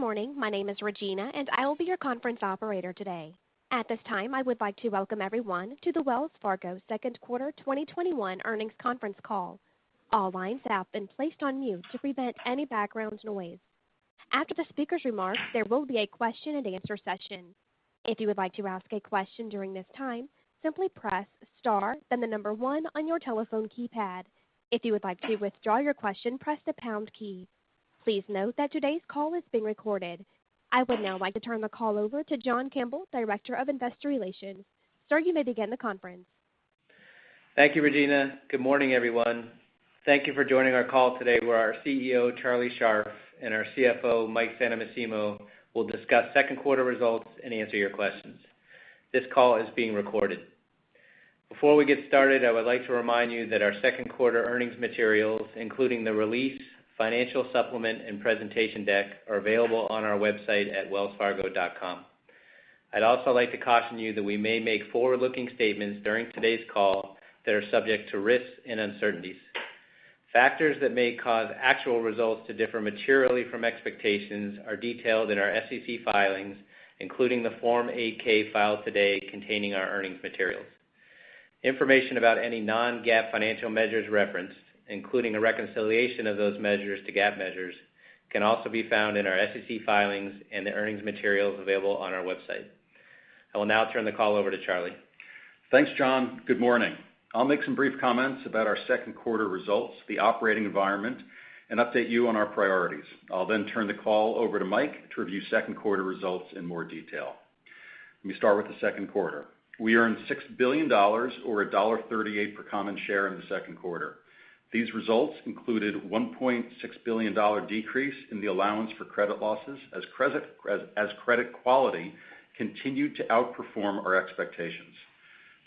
Good morning. My name is Regina, and I will be your conference operator today. At this time, I would like to welcome everyone to the Wells Fargo Second Quarter 2021 Earnings Conference Call. All lines have been placed on mute to prevent any background noise. After the speaker's remarks, there will be a question-and-answer session. If you would like to ask a question during this time, simply press star, then the number one on your telephone keypad. If you would like to withdraw your question, press the pound key. Please note that today's call is being recorded. I would now like to turn the call over to John Campbell, Director of Investor Relations. Sir, you may begin the conference. Thank you, Regina. Good morning, everyone. Thank you for joining our call today where our CEO, Charlie Scharf, and our CFO, Mike Santomassimo, will discuss second quarter results and answer your questions. This call is being recorded. Before we get started, I would like to remind you that our second quarter earnings materials, including the release, financial supplement, and presentation deck, are available on our website at wellsfargo.com. I'd also like to caution you that we may make forward-looking statements during today's call that are subject to risks and uncertainties. Factors that may cause actual results to differ materially from expectations are detailed in our SEC filings, including the Form 8-K filed today containing our earnings materials. Information about any non-GAAP financial measures referenced, including a reconciliation of those measures to GAAP measures, can also be found in our SEC filings and earnings materials available on our website. I will now turn the call over to Charlie. Thanks, John. Good morning. I'll make some brief comments about our second quarter results, the operating environment, and update you on our priorities. I'll turn the call over to Mike to review second quarter results in more detail. Let me start with the second quarter. We earned $6 billion or $1.38 per common share in the second quarter. These results included a $1.6 billion decrease in the allowance for credit losses as credit quality continued to outperform our expectations.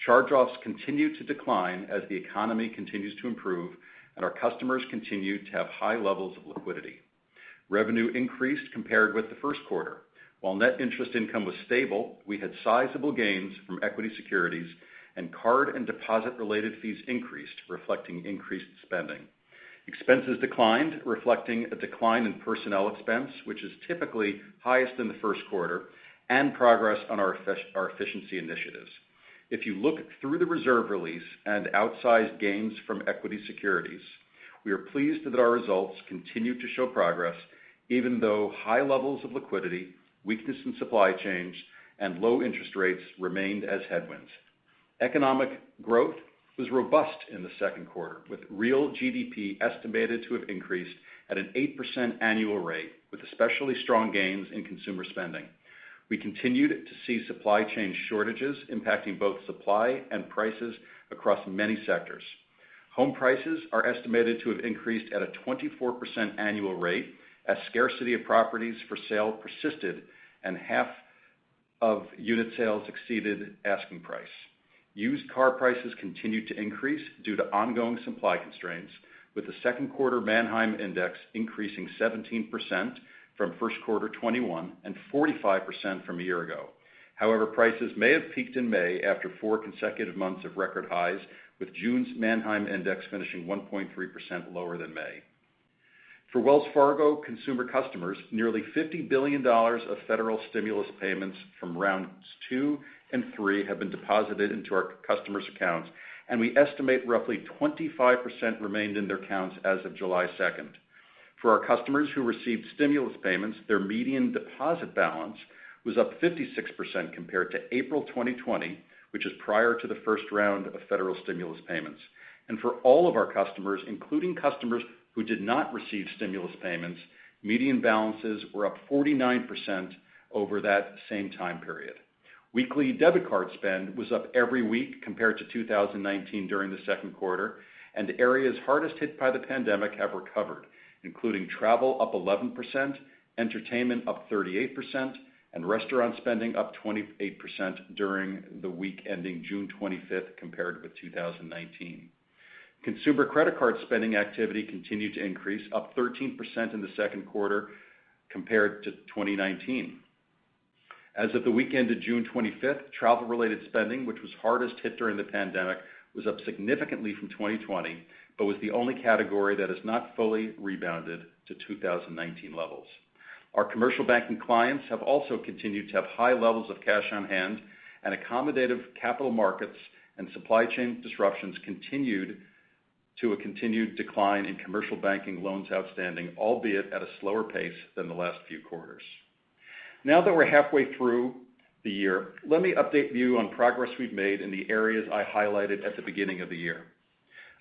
Charge-offs continued to decline as the economy continues to improve and our customers continue to have high levels of liquidity. Revenue increased compared with the first quarter. While net interest income was stable, we had sizable gains from equity securities, and card and deposit-related fees increased, reflecting increased spending. Expenses declined, reflecting a decline in personnel expense, which is typically highest in the first quarter, and progress on our efficiency initiatives. If you look through the reserve release and outsized gains from equity securities, we are pleased that our results continue to show progress, even though high levels of liquidity, weakness in supply chains, and low interest rates remained as headwinds. Economic growth was robust in the second quarter, with real GDP estimated to have increased at an 8% annual rate, with especially strong gains in consumer spending. We continued to see supply chain shortages impacting both supply and prices across many sectors. Home prices are estimated to have increased at a 24% annual rate as scarcity of properties for sale persisted and half of unit sales exceeded asking price. Used car prices continued to increase due to ongoing supply constraints, with the second quarter Manheim Index increasing 17% from first quarter 2021 and 45% from a year ago. However, prices may have peaked in May after four consecutive months of record highs, with June's Manheim Index finishing 1.3% lower than May. For Wells Fargo consumer customers, nearly $50 billion of federal stimulus payments from rounds two and three have been deposited into our customers' accounts, and we estimate roughly 25% remained in their accounts as of July 2nd. For our customers who received stimulus payments, their median deposit balance was up 56% compared to April 2020, which is prior to the first round of federal stimulus payments. For all of our customers, including customers who did not receive stimulus payments, median balances were up 49% over that same time period. Weekly debit card spend was up every week compared to 2019 during the second quarter, and areas hardest hit by the pandemic have recovered, including travel up 11%, entertainment up 38%, and restaurant spending up 28% during the week ending June 25th compared with 2019. Consumer credit card spending activity continued to increase, up 13% in the second quarter compared to 2019. As of the week ending June 25th, travel-related spending, which was hardest hit during the pandemic, was up significantly from 2020 but was the only category that has not fully rebounded to 2019 levels. Our commercial banking clients have also continued to have high levels of cash on hand, and accommodative capital markets and supply chain disruptions continued to a continued decline in commercial banking loans outstanding, albeit at a slower pace than the last few quarters. Now that we're halfway through the year, let me update you on progress we've made in the areas I highlighted at the beginning of the year.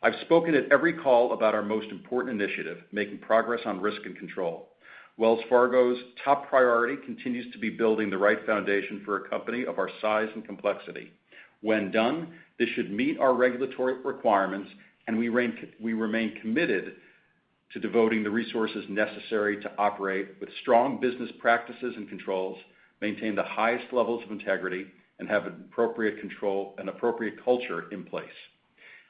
I've spoken at every call about our most important initiative, making progress on risk and control. Wells Fargo's top priority continues to be building the right foundation for a company of our size and complexity. When done, this should meet our regulatory requirements, and we remain committed to devoting the resources necessary to operate with strong business practices and controls, maintain the highest levels of integrity, and have appropriate control and appropriate culture in place.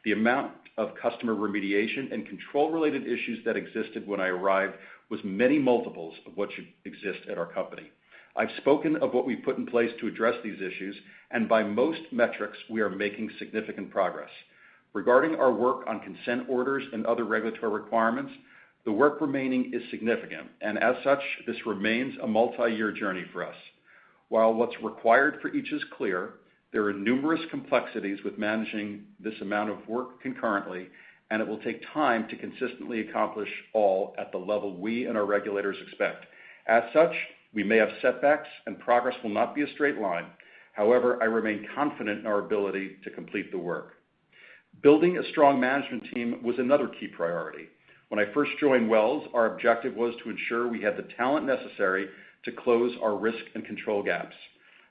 The amount of customer remediation and control-related issues that existed when I arrived was many multiples of what should exist at our company. I've spoken of what we've put in place to address these issues, and by most metrics, we are making significant progress. Regarding our work on consent orders and other regulatory requirements, the work remaining is significant, and as such, this remains a multi-year journey for us. While what's required for each is clear, there are numerous complexities with managing this amount of work concurrently, and it will take time to consistently accomplish all at the level we and our regulators expect. As such, we may have setbacks, and progress will not be a straight line. However, I remain confident in our ability to complete the work. Building a strong management team was another key priority. When I first joined Wells, our objective was to ensure we had the talent necessary to close our risk and control gaps.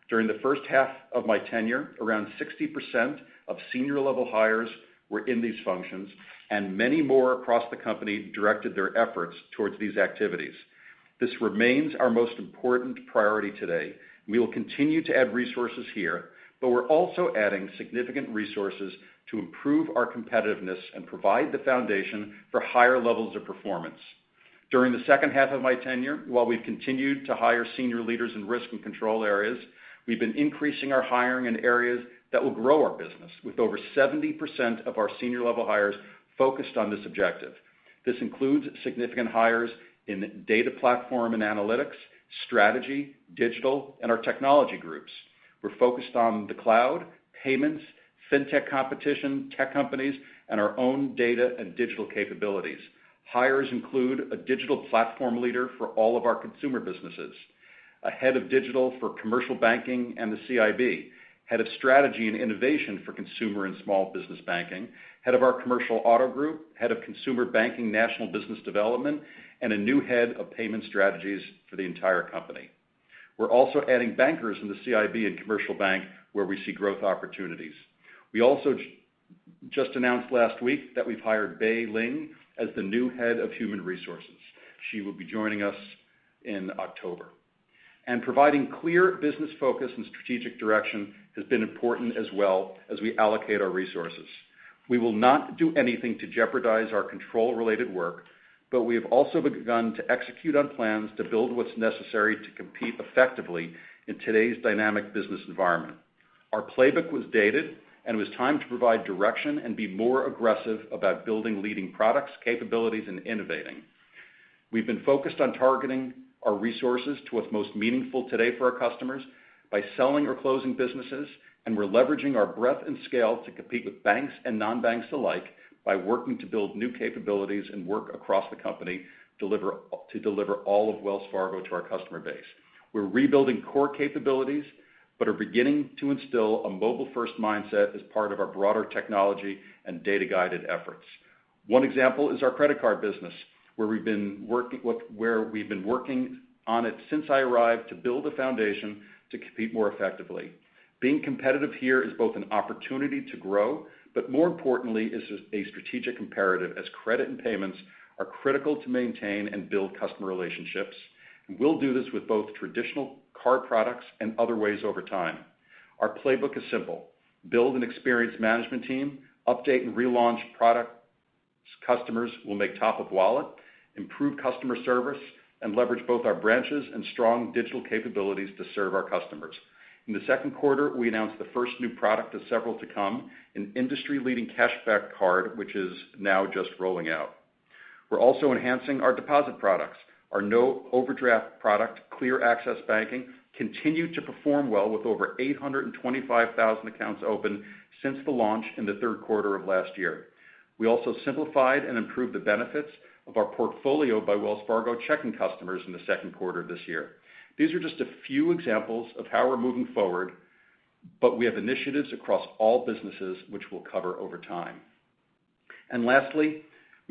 During the first half of my tenure, around 60% of senior-level hires were in these functions, and many more across the company directed their efforts towards these activities. This remains our most important priority today. We will continue to add resources here, but we're also adding significant resources to improve our competitiveness and provide the foundation for higher levels of performance. During the second half of my tenure, while we continued to hire senior leaders in risk and control areas, we've been increasing our hiring in areas that will grow our business, with over 70% of our senior-level hires focused on this objective. This includes significant hires in data platform and analytics, strategy, digital, and our technology groups. We're focused on the cloud, payments, fintech competition, tech companies, and our own data and digital capabilities. Hires include a digital platform leader for all of our consumer businesses, a head of digital for commercial banking and the CIB, head of strategy and innovation for Consumer and Small Business Banking, head of our commercial auto group, head of consumer banking national business development, and a new head of payment strategies for the entire company. We're also adding bankers in the CIB and commercial bank where we see growth opportunities. We also just announced last week that we've hired Bei Ling as the new Head of Human Resources. She will be joining us in October. Providing clear business focus and strategic direction has been important as well as we allocate our resources. We will not do anything to jeopardize our control-related work, but we have also begun to execute on plans to build what's necessary to compete effectively in today's dynamic business environment. Our playbook was dated and it was time to provide direction and be more aggressive about building leading products, capabilities, and innovating. We've been focused on targeting our resources to what's most meaningful today for our customers by selling or closing businesses, and we're leveraging our breadth and scale to compete with banks and non-banks alike by working to build new capabilities and work across the company to deliver all of Wells Fargo to our customer base. We're rebuilding core capabilities, but are beginning to instill a mobile-first mindset as part of our broader technology and data-guided efforts. One example is our credit card business, where we've been working on it since I arrived to build a foundation to compete more effectively. Being competitive here is both an opportunity to grow, but more importantly, is a strategic imperative as credit and payments are critical to maintain and build customer relationships. We'll do this with both traditional card products and other ways over time. Our playbook is simple. Build an experienced management team, update and relaunch products customers will make top of wallet, improve customer service, and leverage both our branches and strong digital capabilities to serve our customers. In the second quarter, we announced the first new product of several to come, an industry-leading cashback card, which is now just rolling out. We're also enhancing our deposit products. Our no overdraft product, Clear Access Banking, continued to perform well with over 825,000 accounts open since the launch in the third quarter of last year. We also simplified and improved the benefits of our Portfolio by Wells Fargo checking customers in the second quarter of this year. These are just a few examples of how we're moving forward, but we have initiatives across all businesses which we'll cover over time. Lastly,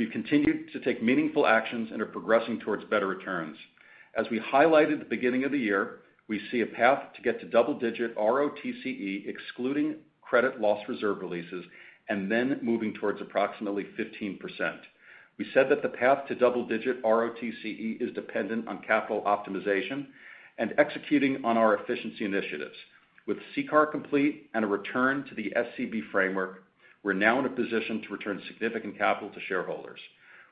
we've continued to take meaningful actions and are progressing towards better returns. As we highlighted at the beginning of the year, we see a path to get to double-digit ROTCE, excluding credit loss reserve releases, and then moving towards approximately 15%. We said that the path to double-digit ROTCE is dependent on capital optimization and executing on our efficiency initiatives. With CCAR complete and a return to the SCB framework, we're now in a position to return significant capital to shareholders.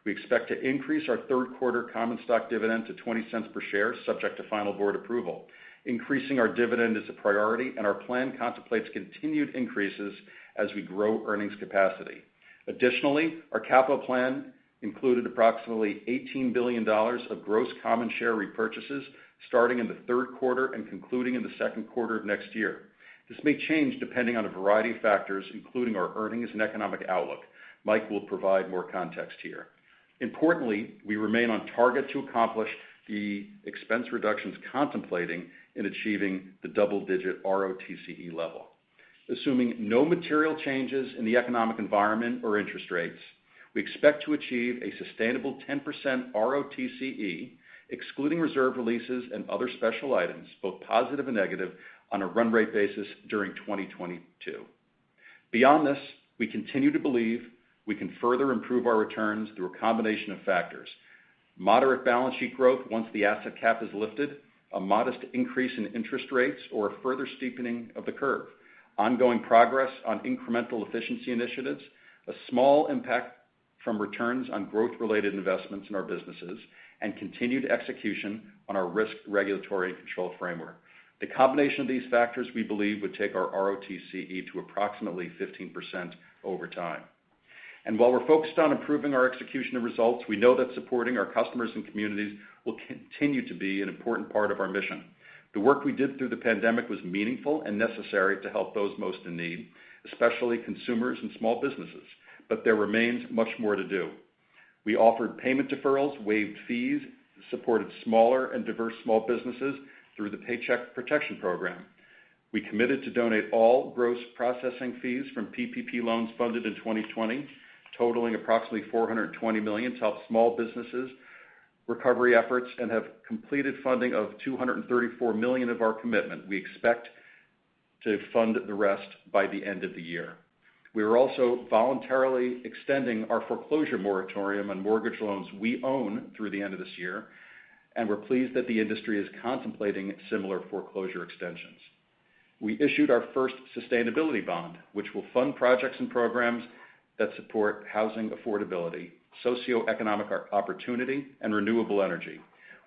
We expect to increase our third quarter common stock dividend to $0.20 per share, subject to final board approval. Increasing our dividend is a priority, and our plan contemplates continued increases as we grow earnings capacity. Additionally, our capital plan included approximately $18 billion of gross common share repurchases starting in the third quarter and concluding in the second quarter of next year. This may change depending on a variety of factors, including our earnings and economic outlook. Mike will provide more context here. Importantly, we remain on target to accomplish the expense reductions contemplating in achieving the double-digit ROTCE level. Assuming no material changes in the economic environment or interest rates, we expect to achieve a sustainable 10% ROTCE, excluding reserve releases and other special items, both positive and negative on a run rate basis during 2022. Beyond this, we continue to believe we can further improve our returns through a combination of factors. Moderate balance sheet growth once the asset cap is lifted, a modest increase in interest rates or a further steepening of the curve, ongoing progress on incremental efficiency initiatives, a small impact from returns on growth-related investments in our businesses and continued execution on our risk regulatory control framework. The combination of these factors, we believe, would take our ROTCE to approximately 15% over time. While we're focused on improving our execution and results, we know that supporting our customers and communities will continue to be an important part of our mission. The work we did through the pandemic was meaningful and necessary to help those most in need, especially consumers and small businesses, but there remains much more to do. We offered payment deferrals, waived fees, supported smaller and diverse small businesses through the Paycheck Protection Program. We committed to donate all gross processing fees from PPP loans funded in 2020, totaling approximately $420 million to help small businesses' recovery efforts, and have completed funding of $234 million of our commitment. We expect to fund the rest by the end of the year. We are also voluntarily extending our foreclosure moratorium on mortgage loans we own through the end of this year, and we're pleased that the industry is contemplating similar foreclosure extensions. We issued our first sustainability bond, which will fund projects and programs that support housing affordability, socioeconomic opportunity, and renewable energy.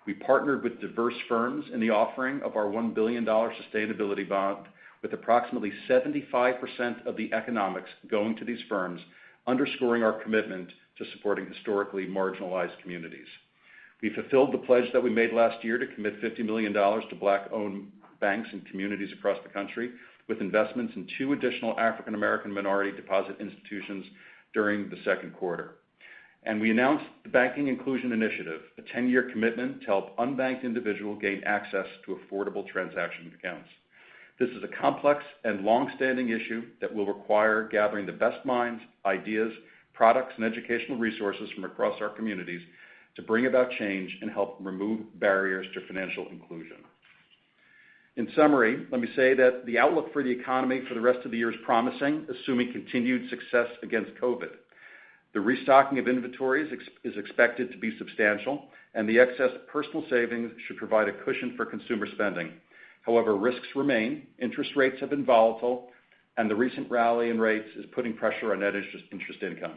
We partnered with diverse firms in the offering of our $1 billion sustainability bond, with approximately 75% of the economics going to these firms, underscoring our commitment to supporting historically marginalized communities. We fulfilled the pledge that we made last year to commit $50 million to Black-owned banks and communities across the country with investments in two additional African American minority depository institutions during the second quarter. We announced the Banking Inclusion Initiative, a 10-year commitment to help unbanked individuals gain access to affordable transaction accounts. This is a complex and long-standing issue that will require gathering the best minds, ideas, products, and educational resources from across our communities to bring about change and help remove barriers to financial inclusion. In summary, let me say that the outlook for the economy for the rest of the year is promising, assuming continued success against COVID. The restocking of inventories is expected to be substantial. The excess personal savings should provide a cushion for consumer spending. Risks remain. Interest rates have been volatile. The recent rally in rates is putting pressure on net interest income.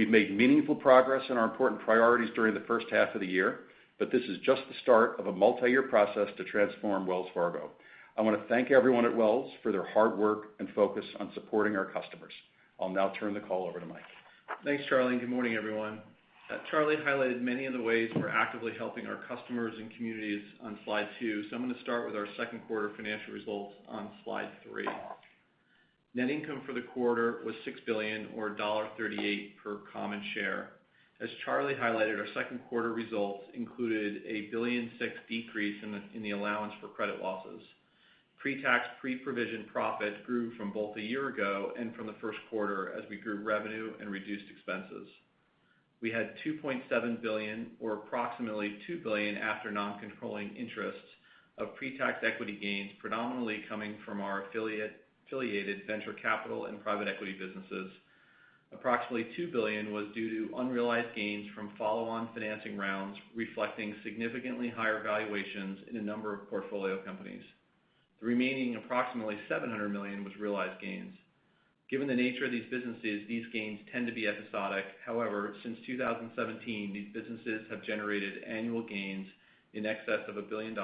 We've made meaningful progress on our important priorities during the first half of the year. This is just the start of a multi-year process to transform Wells Fargo. I want to thank everyone at Wells for their hard work and focus on supporting our customers. I'll now turn the call over to Mike. Thanks, Charlie, good morning, everyone. Charlie highlighted many of the ways we're actively helping our customers and communities on slide 2. I'm going to start with our second quarter financial results on slide 3. Net income for the quarter was $6 billion or $1.38 per common share. As Charlie highlighted, our second quarter results included a $1.6 billion decrease in the allowance for credit losses. Pre-tax, pre-provision profit grew from both a year ago and from the first quarter as we grew revenue and reduced expenses. We had $2.7 billion, or approximately $2 billion after non-controlling interests of pre-tax equity gains predominantly coming from our affiliated venture capital and private equity businesses. Approximately $2 billion was due to unrealized gains from follow-on financing rounds, reflecting significantly higher valuations in a number of portfolio companies. The remaining approximately $700 million was realized gains. Given the nature of these businesses, these gains tend to be episodic. However, since 2017, these businesses have generated annual gains in excess of $1 billion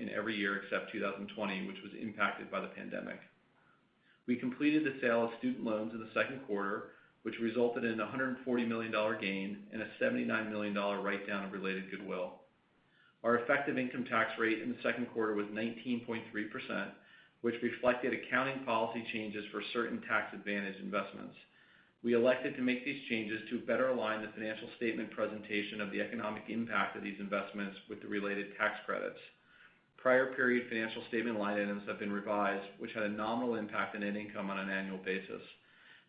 in every year except 2020, which was impacted by the pandemic. We completed the sale of student loans in the second quarter, which resulted in a $140 million gain and a $79 million write-down of related goodwill. Our effective income tax rate in the second quarter was 19.3%, which reflected accounting policy changes for certain tax advantage investments. We elected to make these changes to better align the financial statement presentation of the economic impact of these investments with the related tax credits. Prior period financial statement line items have been revised, which had a nominal impact on net income on an annual basis.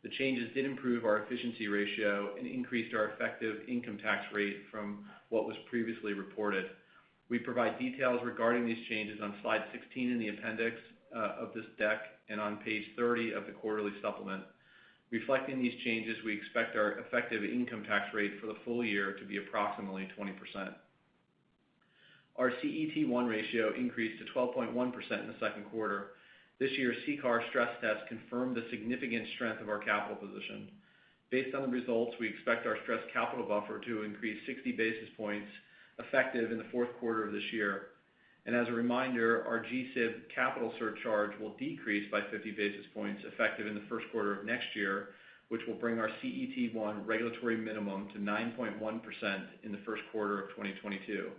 The changes did improve our efficiency ratio and increased our effective income tax rate from what was previously reported. We provide details regarding these changes on slide 16 in the appendix of this deck and on page 30 of the quarterly supplement. Reflecting these changes, we expect our effective income tax rate for the full year to be approximately 20%. Our CET1 ratio increased to 12.1% in the second quarter. This year's CCAR stress test confirmed the significant strength of our capital position. Based on the results, we expect our stress capital buffer to increase 60 basis points effective in the fourth quarter of this year. As a reminder, our GSIB capital surcharge will decrease by 50 basis points effective in the first quarter of next year, which will bring our CET1 regulatory minimum to 9.1% in the first quarter of 2022.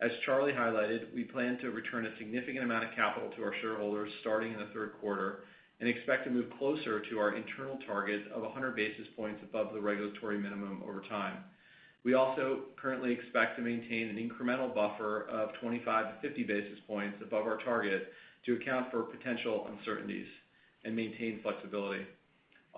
As Charlie highlighted, we plan to return a significant amount of capital to our shareholders starting in the third quarter and expect to move closer to our internal target of 100 basis points above the regulatory minimum over time. We also currently expect to maintain an incremental buffer of 25-50 basis points above our target to account for potential uncertainties and maintain flexibility.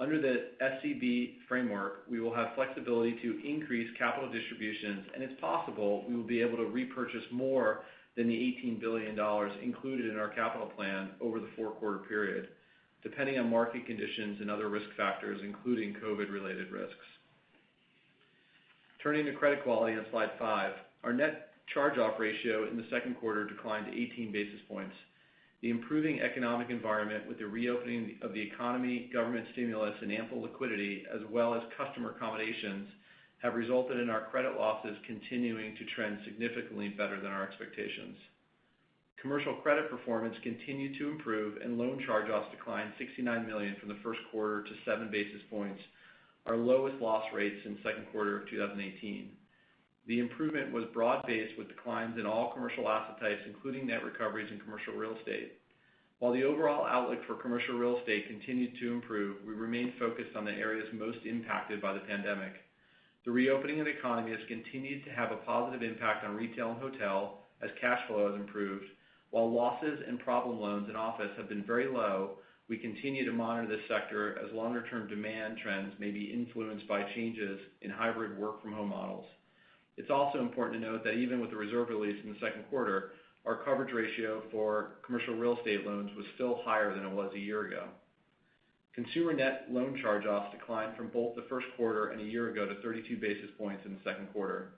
Under the SCB framework, we will have flexibility to increase capital distributions, and if possible, we will be able to repurchase more than the $18 billion included in our capital plan over the four-quarter period, depending on market conditions and other risk factors, including COVID-related risks. Turning to credit quality on slide five. Our net charge-off ratio in the second quarter declined 18 basis points. The improving economic environment with the reopening of the economy, government stimulus, and ample liquidity, as well as customer accommodations, have resulted in our credit losses continuing to trend significantly better than our expectations. Commercial credit performance continued to improve, and loan charge-offs declined $69 million from the first quarter to 7 basis points, our lowest loss rate since the second quarter of 2018. The improvement was broad-based with declines in all commercial asset types, including net recoveries in commercial real estate. While the overall outlook for commercial real estate continues to improve, we remain focused on the areas most impacted by the pandemic. The reopening of the economy has continued to have a positive impact on retail and hotel as cash flow has improved. While losses and problem loans in office have been very low, we continue to monitor this sector as longer-term demand trends may be influenced by changes in hybrid work-from-home models. It's also important to note that even with the reserve release in the second quarter, our coverage ratio for commercial real estate loans was still higher than it was a year ago. Consumer net loan charge-offs declined from both the first quarter and a year ago to 32 basis points in the second quarter.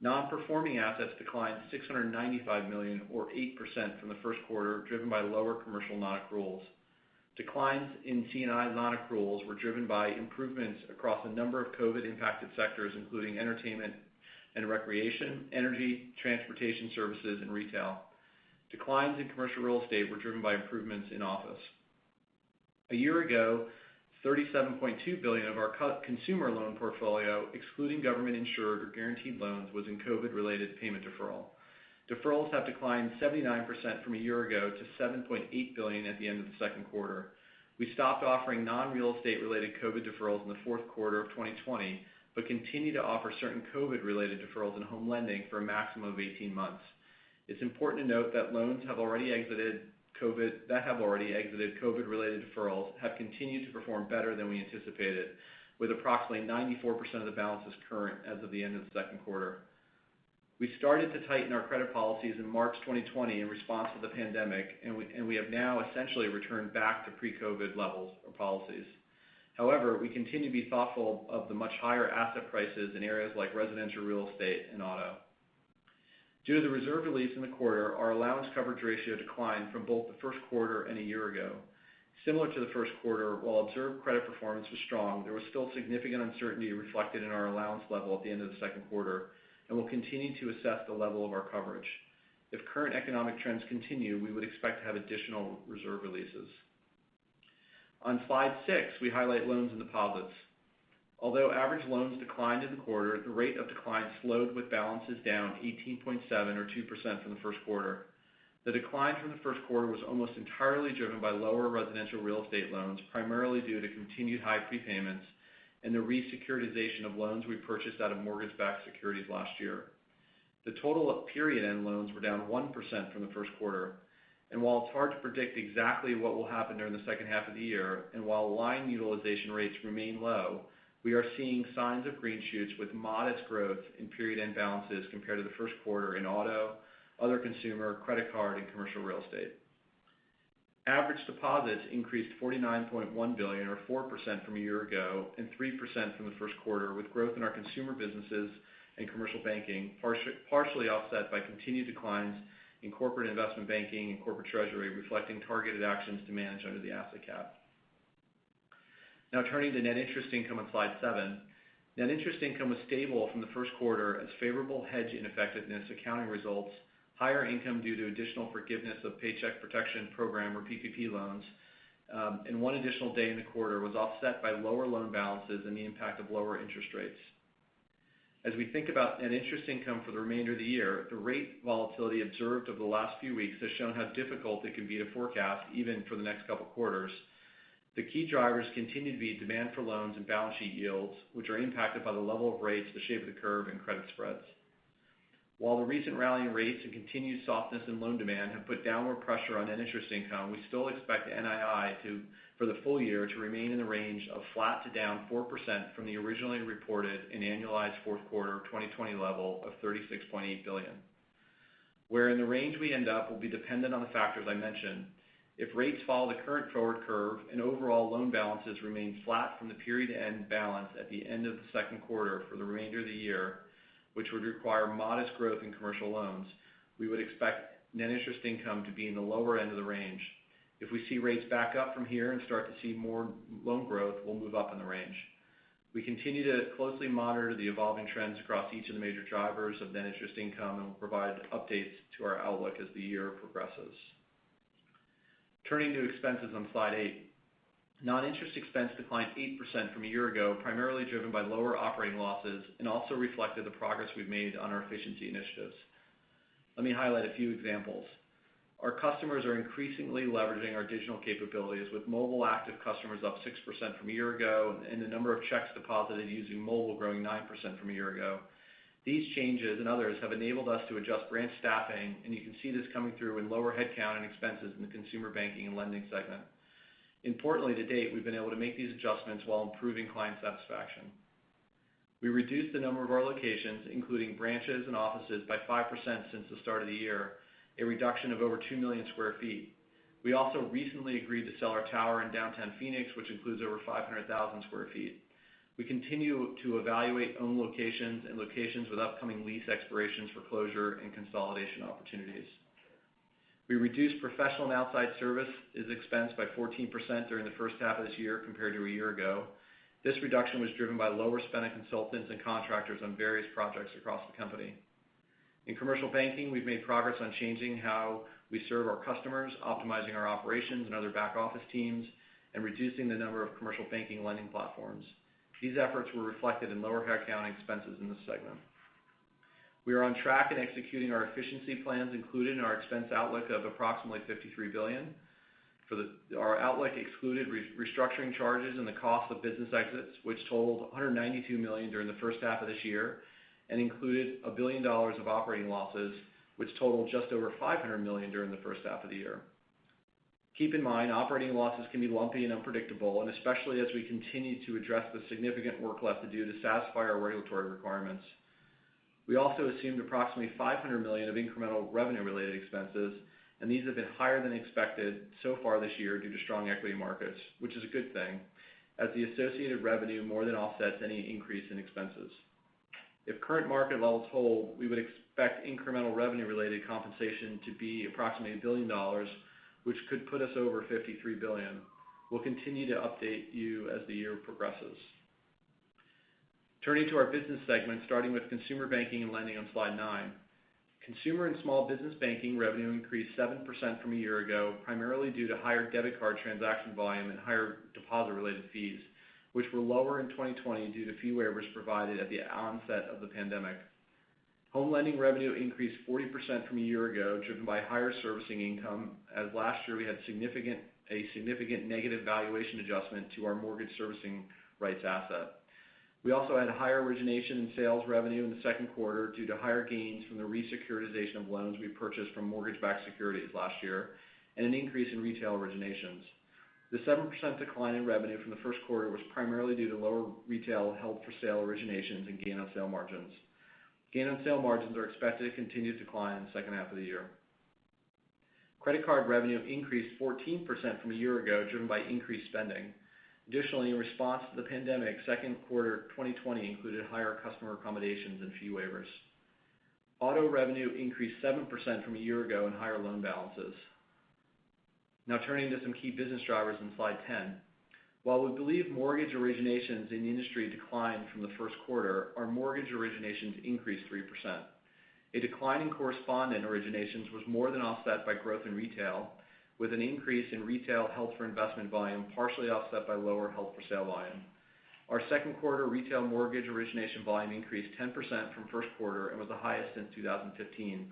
Non-performing assets declined $695 million or 8% from the first quarter, driven by lower commercial non-accruals. Declines in C&I non-accruals were driven by improvements across a number of COVID-impacted sectors, including entertainment and recreation, energy, transportation services, and retail. Declines in commercial real estate were driven by improvements in office. A year ago, $37.2 billion of our consumer loan portfolio, excluding government-insured or guaranteed loans, was in COVID-related payment deferral. Deferrals have declined 79% from a year ago to $7.8 billion at the end of the second quarter. We stopped offering non-real estate-related COVID deferrals in the fourth quarter of 2020, but continue to offer certain COVID-related deferrals in home lending for a maximum of 18 months. It's important to note that loans that have already exited COVID-related deferrals have continued to perform better than we anticipated, with approximately 94% of the balances current as of the end of the second quarter. We started to tighten our credit policies in March 2020 in response to the pandemic, and we have now essentially returned back to pre-COVID levels of policies. However, we continue to be thoughtful of the much higher asset prices in areas like residential real estate and auto. Due to the reserve release in the quarter, our allowance coverage ratio declined from both the first quarter and a year ago. Similar to the first quarter, while observed credit performance was strong, there was still significant uncertainty reflected in our allowance level at the end of the second quarter, and we'll continue to assess the level of our coverage. If current economic trends continue, we would expect to have additional reserve releases. On slide 6, we highlight loans and deposits. Although average loans declined in the quarter, the rate of decline slowed with balances down 18.7 or 2% from the first quarter. The decline from the first quarter was almost entirely driven by lower residential real estate loans, primarily due to continued high prepayments and the re-securitization of loans we purchased out of mortgage-backed securities last year. The total at period-end loans were down 1% from the first quarter. While it is hard to predict exactly what will happen during the second half of the year, and while line utilization rates remain low, we are seeing signs of green shoots with modest growth in period-end balances compared to the first quarter in auto, other consumer, credit card, and commercial real estate. Average deposits increased $49.1 billion or 4% from a year ago and 3% from the first quarter, with growth in our consumer businesses and commercial banking partially offset by continued declines in corporate investment banking and corporate treasury, reflecting targeted actions to manage under the asset cap. Turning to net interest income on slide 7. Net interest income was stable from the first quarter as favorable hedge ineffectiveness accounting results, higher income due to additional forgiveness of Paycheck Protection Program or PPP loans, and one additional day in the quarter was offset by lower loan balances and the impact of lower interest rates. We think about net interest income for the remainder of the year, the rate volatility observed over the last few weeks has shown how difficult it can be to forecast even for the next couple of quarters. The key drivers continue to be demand for loans and balance sheet yields, which are impacted by the level of rates, the shape of the curve, and credit spreads. While the recent rally in rates and continued softness in loan demand have put downward pressure on net interest income, we still expect NII for the full year to remain in the range of flat to down 4% from the originally reported and annualized fourth quarter of 2020 level of $36.8 billion. Where in the range we end up will be dependent on the factors I mentioned. If rates follow the current forward curve and overall loan balances remain flat from the period-end balance at the end of the second quarter for the remainder of the year, which would require modest growth in commercial loans, we would expect net interest income to be in the lower end of the range. If we see rates back up from here and start to see more loan growth, we'll move up in the range. We continue to closely monitor the evolving trends across each of the major drivers of net interest income and will provide updates to our outlook as the year progresses. Turning to expenses on slide 8. Non-interest expense declined 8% from a year ago, primarily driven by lower operating losses and also reflected the progress we've made on our efficiency initiatives. Let me highlight a few examples. Our customers are increasingly leveraging our digital capabilities, with mobile active customers up 6% from a year ago and the number of checks deposited using mobile growing 9% from a year ago. These changes and others have enabled us to adjust branch staffing, and you can see this coming through in lower headcount and expenses in the Consumer Banking and Lending segment. Importantly, to date, we've been able to make these adjustments while improving client satisfaction. We reduced the number of our locations, including branches and offices, by 5% since the start of the year, a reduction of over 2 million sq ft. We also recently agreed to sell our tower in downtown Phoenix, which includes over 500,000 sq ft. We continue to evaluate own locations and locations with upcoming lease expirations for closure and consolidation opportunities. We reduced professional and outside services expense by 14% during the first half of this year compared to a year ago. This reduction was driven by lower spend in consultants and contractors on various projects across the company. In Commercial Banking, we've made progress on changing how we serve our customers, optimizing our operations and other back office teams, and reducing the number of Commercial Banking lending platforms. These efforts were reflected in lower accounting expenses in this segment. We are on track in executing our efficiency plans, including our expense outlook of approximately $53 billion. Our outlook excluded restructuring charges and the cost of business exits, which totaled $192 million during the first half of this year and included $1 billion of operating losses, which totaled just over $500 million during the first half of the year. Keep in mind, operating losses can be lumpy and unpredictable, especially as we continue to address the significant work left to do to satisfy our regulatory requirements. We also assumed approximately $500 million of incremental revenue-related expenses. These have been higher than expected so far this year due to strong equity markets, which is a good thing, as the associated revenue more than offsets any increase in expenses. If current market levels hold, we would expect incremental revenue-related compensation to be approximately $1 billion, which could put us over $53 billion. We'll continue to update you as the year progresses. Turning to our business segments, starting with Consumer Banking and Lending on slide 9. Consumer and Small Business Banking revenue increased 7% from a year ago, primarily due to higher debit card transaction volume and higher deposit-related fees, which were lower in 2020 due to fee waivers provided at the onset of the pandemic. Home lending revenue increased 40% from a year ago, driven by higher servicing income, as last year we had a significant negative valuation adjustment to our mortgage servicing rights asset. We also had higher origination and sales revenue in the second quarter due to higher gains from the re-securitization of loans we purchased from mortgage-backed securities last year, and an increase in retail originations. The 7% decline in revenue from the first quarter was primarily due to lower retail held-for-sale originations and gain-on-sale margins. Gain-on-sale margins are expected to continue to decline in the second half of the year. Credit card revenue increased 14% from a year ago, driven by increased spending. Additionally, in response to the pandemic, second quarter 2020 included higher customer accommodations and fee waivers. Auto revenue increased 7% from a year ago and higher loan balances. Now turning to some key business drivers on slide 10. While we believe mortgage originations in the industry declined from the first quarter, our mortgage originations increased 3%. A decline in correspondent originations was more than offset by growth in retail, with an increase in retail held-for-investment volume partially offset by lower held-for-sale volume. Our second quarter retail mortgage origination volume increased 10% from first quarter and was the highest since 2015.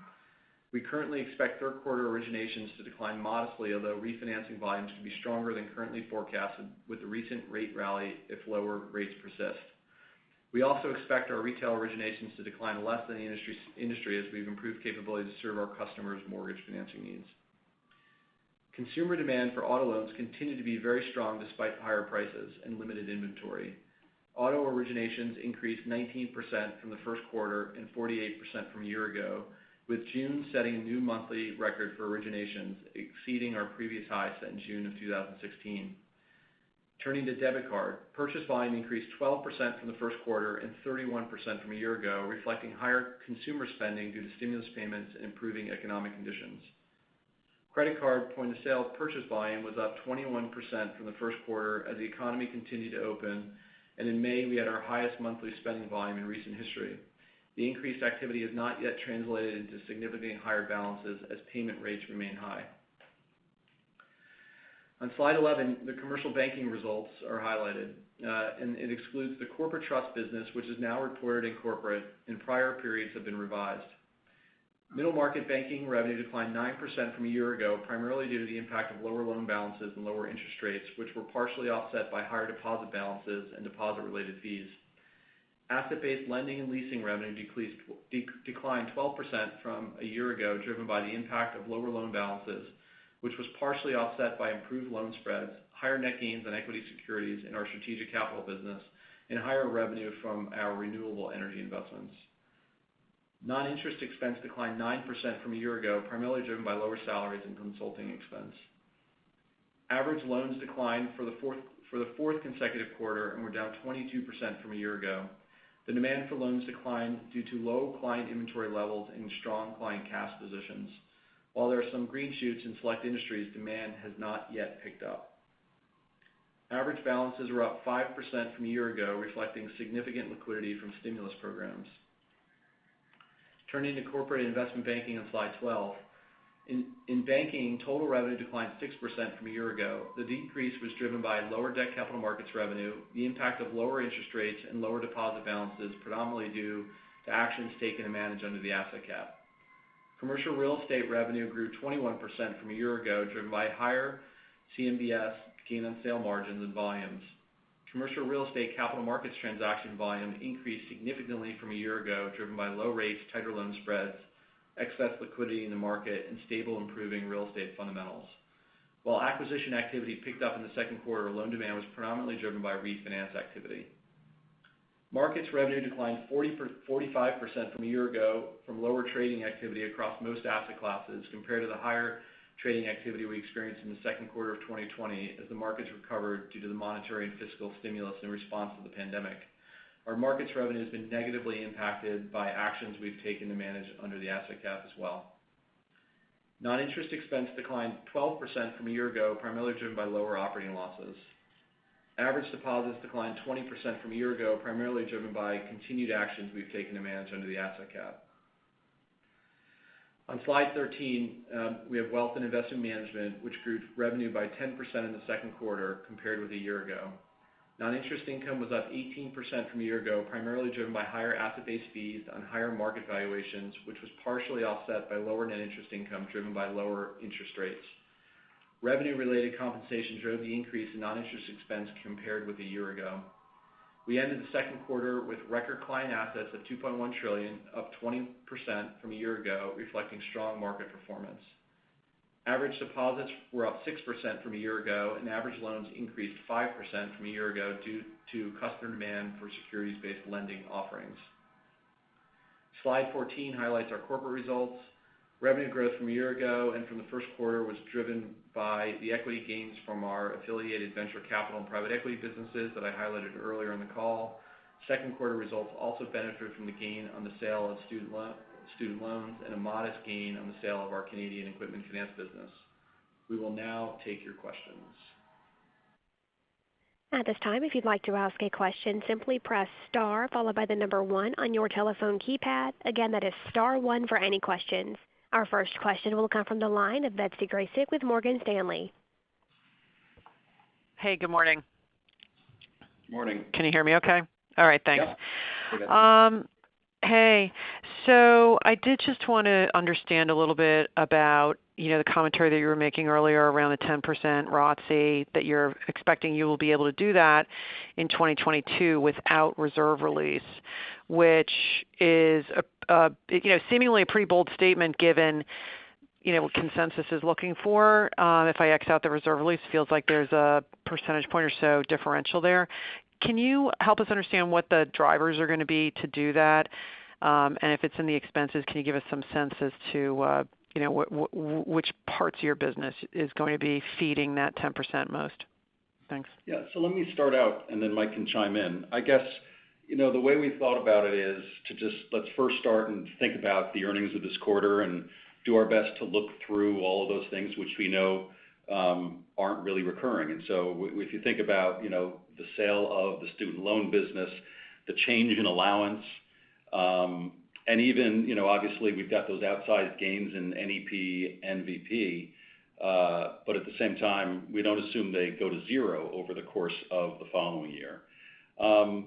We currently expect third quarter originations to decline modestly, although refinancing volumes could be stronger than currently forecasted with the recent rate rally if lower rates persist. We also expect our retail originations to decline less than the industry as we've improved capability to serve our customers' mortgage financing needs. Consumer demand for auto loans continued to be very strong despite higher prices and limited inventory. Auto originations increased 19% from the first quarter and 48% from a year ago, with June setting a new monthly record for originations, exceeding our previous high set in June of 2016. Turning to debit card. Purchase volume increased 12% from the first quarter and 31% from a year ago, reflecting higher consumer spending due to stimulus payments and improving economic conditions. Credit card point-of-sale purchase volume was up 21% from the first quarter as the economy continued to open, and in May we had our highest monthly spending volume in recent history. The increased activity has not yet translated into significantly higher balances as payment rates remain high. On slide 11, the commercial banking results are highlighted, and it excludes the corporate trust business, which is now reported in corporate, and prior periods have been revised. Middle market banking revenue declined 9% from a year ago, primarily due to the impact of lower loan balances and lower interest rates, which were partially offset by higher deposit balances and deposit-related fees. Asset-based lending and leasing revenue declined 12% from a year ago, driven by the impact of lower loan balances, which was partially offset by improved loan spreads, higher net gains on equity securities in our strategic capital business, and higher revenue from our renewable energy investments. Non-interest expense declined 9% from a year ago, primarily driven by lower salaries and consulting expense. Average loans declined for the fourth consecutive quarter and were down 22% from a year ago. The demand for loans declined due to low client inventory levels and strong client cash positions. While there are some green shoots in select industries, demand has not yet picked up. Average balances were up 5% from a year ago, reflecting significant liquidity from stimulus programs. Turning to Corporate & Investment Banking on slide 12. In banking, total revenue declined 6% from a year ago. The decrease was driven by lower debt capital markets revenue, the impact of lower interest rates, and lower deposit balances, predominantly due to actions taken to manage under the asset cap. Commercial real estate revenue grew 21% from a year ago, driven by higher CMBS gain-on-sale margins and volumes. Commercial real estate capital markets transaction volume increased significantly from a year ago, driven by low rates, tighter loan spreads, excess liquidity in the market, and stable improving real estate fundamentals. While acquisition activity picked up in the second quarter, loan demand was predominantly driven by refinance activity. Markets revenue declined 45% from a year ago from lower trading activity across most asset classes compared to the higher trading activity we experienced in the second quarter of 2020 as the markets recovered due to the monetary and fiscal stimulus in response to the pandemic. Our markets revenue has been negatively impacted by actions we've taken to manage under the asset cap as well. Non-interest expense declined 12% from a year ago, primarily driven by lower operating losses. Average deposits declined 20% from a year ago, primarily driven by continued actions we've taken to manage under the asset cap. On slide 13, we have Wealth & Investment Management, which grew revenue by 10% in the second quarter compared with a year ago. Non-interest income was up 18% from a year ago, primarily driven by higher asset-based fees on higher market valuations, which was partially offset by lower net interest income driven by lower interest rates. Revenue-related compensation drove the increase in non-interest expense compared with a year ago. We ended the second quarter with record client assets of $2.1 trillion, up 20% from a year ago, reflecting strong market performance. Average deposits were up 6% from a year ago, and average loans increased 5% from a year ago due to customer demand for securities-based lending offerings. Slide 14 highlights our corporate results. Revenue growth from a year ago and from the first quarter was driven by the equity gains from our affiliated venture capital and private equity businesses that I highlighted earlier in the call. Second quarter results also benefited from the gain on the sale of student loans and a modest gain on the sale of our Canadian equipment finance business. We will now take your questions. At this time, if you'd like to ask a question, simply press star followed by the 1 on your telephone keypad. Again, that is star 1 for any questions. Our first question will come from the line of Betsy Graseck with Morgan Stanley. Hey, good morning. Morning. Can you hear me okay? All right, thanks. Yeah. Hey. I did just want to understand a little bit about the commentary that you were making earlier around the 10% ROTCE that you're expecting you'll be able to do that in 2022 without reserve release, which is seemingly a pretty bold statement given what consensus is looking for. If I back out the reserve release, it feels like there's a percentage point or so differential there. Can you help us understand what the drivers are going to be to do that? If it's in the expenses, can you give us some sense as to which parts of your business is going to be seeding that 10% most? Thanks. Yeah. Let me start out, and then Mike can chime in. I guess, the way we thought about it is to just let's first start and think about the earnings of this quarter and do our best to look through all of those things which we know aren't really recurring. If you think about the sale of the student loan business, the change in allowance, and even obviously we've got those outsized gains in NEP, NVP, but at the same time, we don't assume they go to zero over the course of the following year. You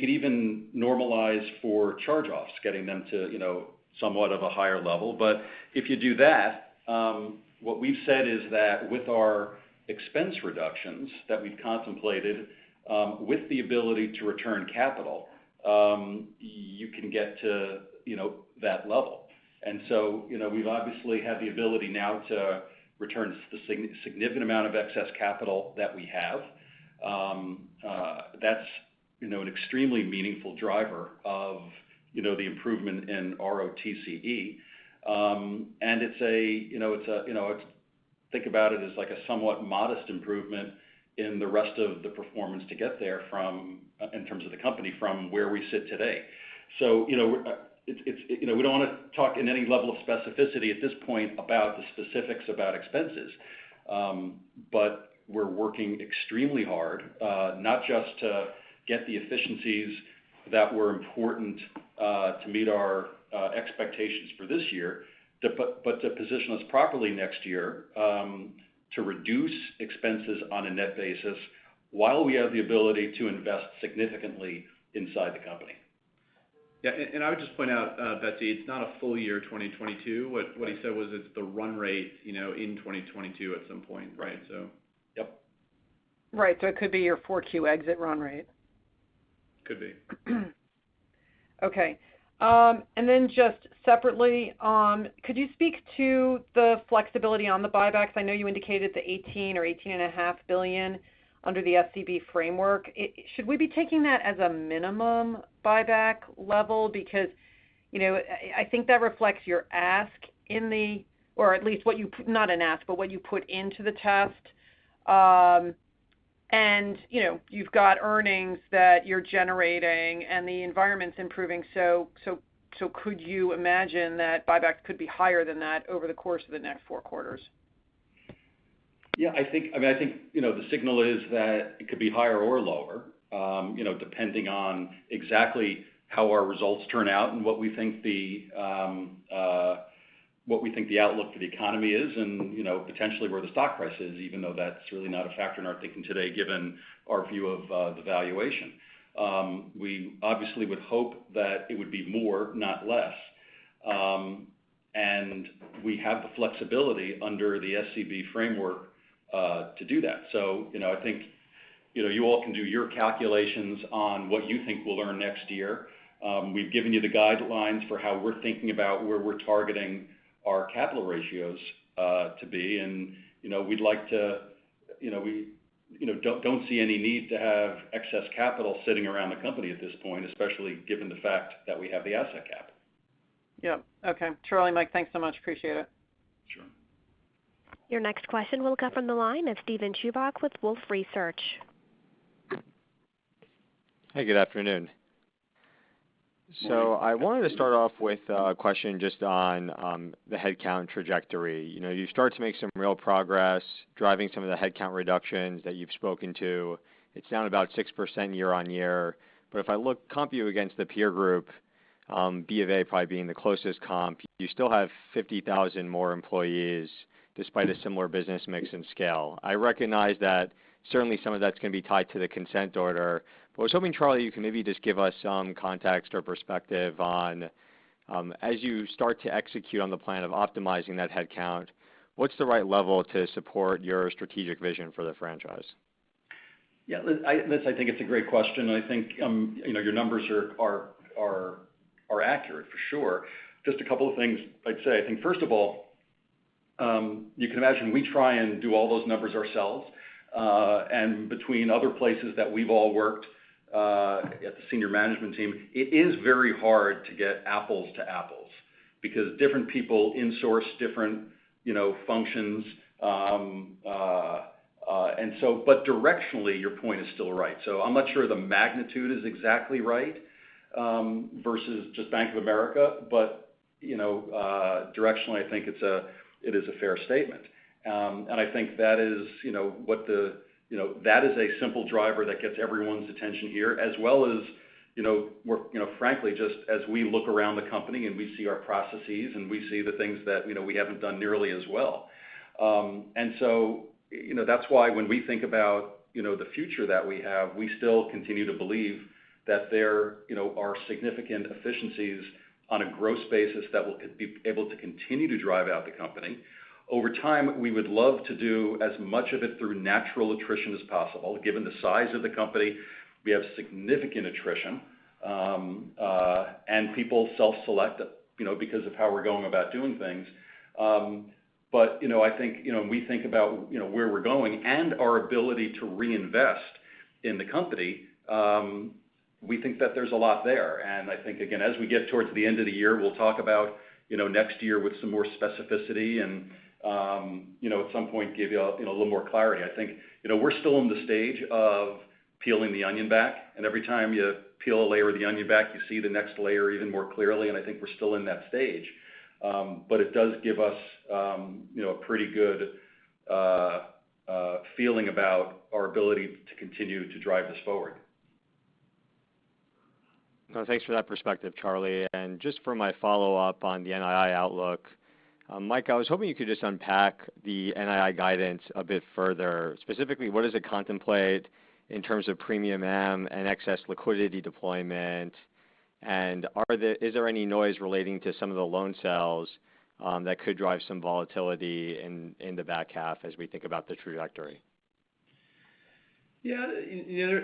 can even normalize for charge-offs, getting them to somewhat of a higher level. If you do that, what we've said is that with our expense reductions that we've contemplated with the ability to return capital, you can get to that level. We obviously have the ability now to return a significant amount of excess capital that we have. That's an extremely meaningful driver of the improvement in ROTCE. Think about it as like a somewhat modest improvement in the rest of the performance to get there in terms of the company from where we sit today. We don't want to talk in any level of specificity at this point about the specifics about expenses. We're working extremely hard not just to get the efficiencies that were important to meet our expectations for this year, but to position us properly next year to reduce expenses on a net basis while we have the ability to invest significantly inside the company. Yeah. I'll just point out, Betsy, it's not a full year 2022. What I said was it's a run rate in 2022 at some point, right. Yep. Right. It could be your Q4 exit run rate. Could be. Okay. Just separately, could you speak to the flexibility on the buybacks? I know you indicated the $18 billion-$18.5 billion under the SCB framework. Should we be taking that as a minimum buyback level? I think that reflects your ask in the, or at least not an ask, but what you put into the test. You've got earnings that you're generating and the environment's improving. Could you imagine that buyback could be higher than that over the course of the next four quarters? Yeah, I think the signal is that it could be higher or lower depending on exactly how our results turn out and what we think the outlook for the economy is and potentially where the stock price is, even though that's really not a factor in our thinking today given our view of the valuation. We obviously would hope that it would be more, not less. We have the flexibility under the SCB framework to do that. I think you all can do your calculations on what you think we'll earn next year. We've given you the guidelines for how we're thinking about where we're targeting our capital ratios to be, we don't see any need to have excess capital sitting around the company at this point, especially given the fact that we have the asset cap. Yep. Okay. Charlie and Mike, thanks so much. Appreciate it. Sure. Your next question will come from the line of Steven Chubak with Wolfe Research. Hey, good afternoon. I wanted to start off with a question just on the headcount trajectory. You start to make some real progress driving some of the headcount reductions that you've spoken to. It's down about 6% year-on-year. If I look comp you against the peer group, B of A probably being the closest comp, you still have 50,000 more employees despite a similar business mix and scale. I recognize that certainly some of that's going to be tied to the consent order, but was hoping, Charlie, you can maybe just give us some context or perspective on as you start to execute on the plan of optimizing that headcount, what's the right level to support your strategic vision for the franchise? Yeah, this I think is a great question. I think your numbers are accurate for sure. Just a couple of things I'd say. I think first of all, you can imagine we try and do all those numbers ourselves. Between other places that we've all worked at the Senior Management Team, it is very hard to get apples to apples because different people insource different functions. Directionally, your point is still right. I'm not sure the magnitude is exactly right versus just Bank of America. Directionally, I think it is a fair statement. I think that is a simple driver that gets everyone's attention here as well as frankly, just as we look around the company and we see our processes and we see the things that we haven't done nearly as well. That's why when we think about the future that we have, we still continue to believe that there are significant efficiencies on a growth basis that will be able to continue to drive out the company. Over time, we would love to do as much of it through natural attrition as possible. Given the size of the company, we have significant attrition. People self-select it because of how we're going about doing things. I think we think about where we're going and our ability to reinvest in the company. We think that there's a lot there. I think again, as we get towards the end of the year, we'll talk about next year with some more specificity and at some point give you a little more clarity. I think we're still in the stage of peeling the onion back. Every time you peel a layer of the onion back, you see the next layer even more clearly. I think we're still in that stage. It does give us a pretty good feeling about our ability to continue to drive this forward. No, thanks for that perspective, Charlie. Just for my follow-up on the NII outlook, Mike, I was hoping you could just unpack the NII guidance a bit further. Specifically, what does it contemplate in terms of premium amortization and excess liquidity deployment? Is there any noise relating to some of the loan sales that could drive some volatility in the back half as we think about the trajectory? Yeah,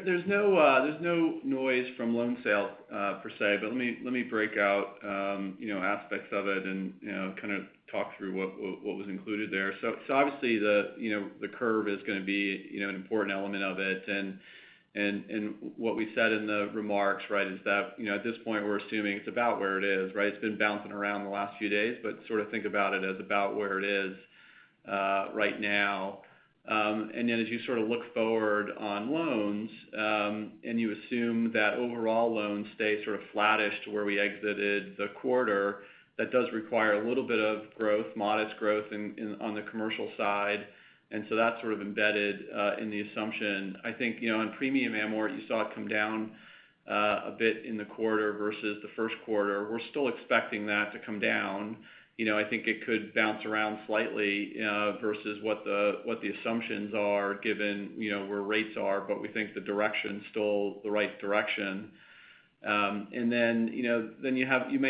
there's no noise from loan sales per se, but let me break out aspects of it and kind of talk through what was included there. Obviously, the curve is going to be an important element of it, and what we said in the remarks is that at this point, we're assuming it's about where it is. It's been bouncing around the last few days, but sort of think about it as about where it is right now. Then as you sort of look forward on loans and you assume that overall loans stay sort of flattish to where we exited the quarter, that does require a little bit of growth, modest growth on the commercial side. That's sort of embedded in the assumption. I think on premium amortization where you saw it come down a bit in the quarter versus the first quarter, we're still expecting that to come down. I think it could bounce around slightly versus what the assumptions are given where rates are, but we think the direction's still the right direction. You may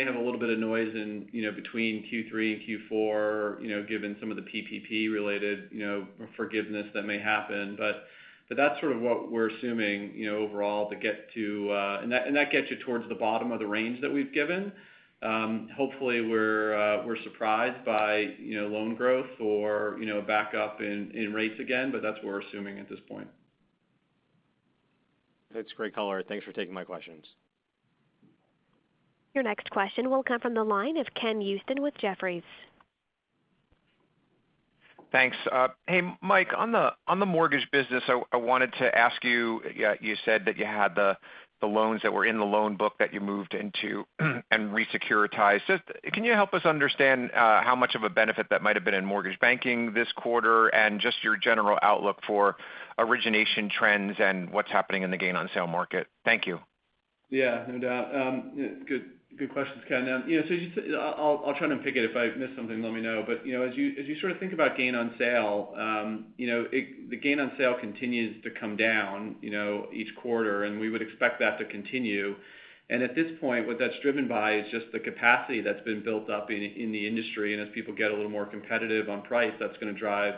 have a little bit of noise in between Q3 and Q4 given some of the PPP-related forgiveness that may happen. That's sort of what we're assuming overall. That gets you towards the bottom of the range that we've given. Hopefully we're surprised by loan growth or back up in rates again, but that's what we're assuming at this point. That's great color. Thanks for taking my questions. Your next question will come from the line of Ken Usdin with Jefferies. Thanks. Hey, Mike, on the mortgage business, I wanted to ask you said that you had the loans that were in the loan book that you moved into and re-securitized. Can you help us understand how much of a benefit that might've been in mortgage banking this quarter and just your general outlook for origination trends and what's happening in the gain-on-sale market? Thank you. Yeah, no doubt. Good question, Ken. I'll try to pick it. If I miss something, let me know. As you sort of think about gain-on-sale, the gain-on-sale continues to come down each quarter. We would expect that to continue. At this point, what that's driven by is just the capacity that's been built up in the industry. As people get a little more competitive on price, that's going to drive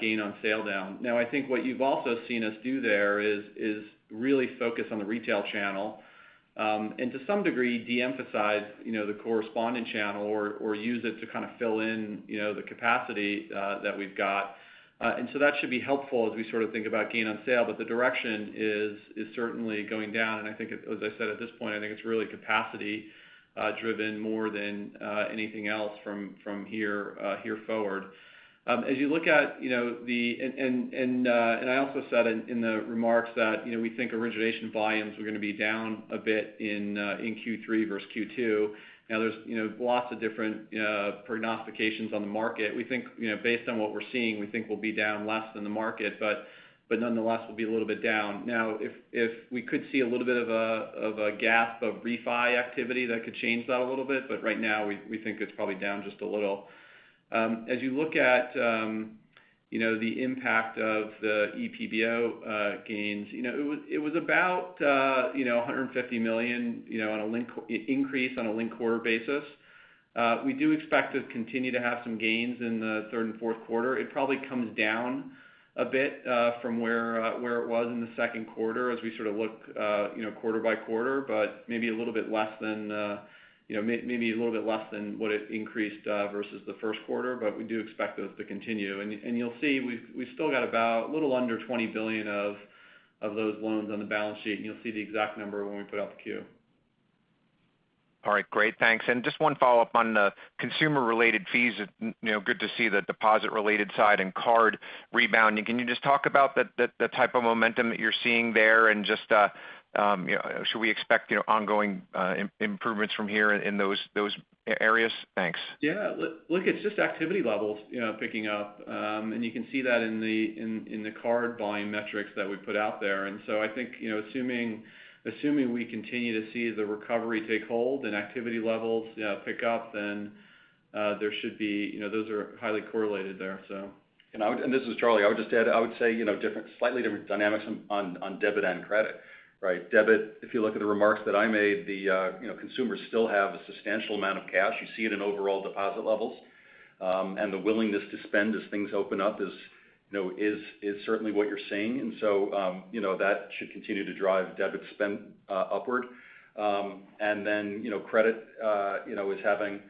gain-on-sale down. Now, I think what you've also seen us do there is really focus on the retail channel To some degree, de-emphasize the correspondent channel or use it to kind of fill in the capacity that we've got. That should be helpful as we think about gain-on-sale, but the direction is certainly going down. I think as I said at this point, I think it's really capacity-driven more than anything else from here forward. I also said in the remarks that we think origination volumes are going to be down a bit in Q3 versus Q2. There's lots of different prognostications on the market. Based on what we're seeing, we think we'll be down less than the market, but nonetheless, we'll be a little bit down. If we could see a little bit of a gap of refi activity, that could change that a little bit. Right now, we think it's probably down just a little. As you look at the impact of the EPBO gains, it was about $150 million increase on a linked-quarter basis. We do expect to continue to have some gains in the third and fourth quarter. It probably comes down a bit from where it was in the second quarter as we look quarter by quarter, but maybe a little bit less than what it increased versus the first quarter. We do expect those to continue. You'll see we've still got about a little under $20 billion of those loans on the balance sheet, and you'll see the exact number when we put out Q. All right. Great. Thanks. Just one follow-up on the consumer-related fees. Good to see the deposit-related side and card rebounding. Can you just talk about the type of momentum that you're seeing there and just should we expect ongoing improvements from here in those areas? Thanks. Yeah. Look, it's just activity levels picking up. You can see that in the card volume metrics that we put out there. I think assuming we continue to see the recovery take hold and activity levels pick up, then those are highly correlated there. This is Charlie. I would just add, I would say slightly different dynamics on debit and credit, right? Debit, if you look at the remarks that I made, the consumers still have a substantial amount of cash. You see it in overall deposit levels. The willingness to spend as things open up is certainly what you're seeing. That should continue to drive debit spend upward. Credit is having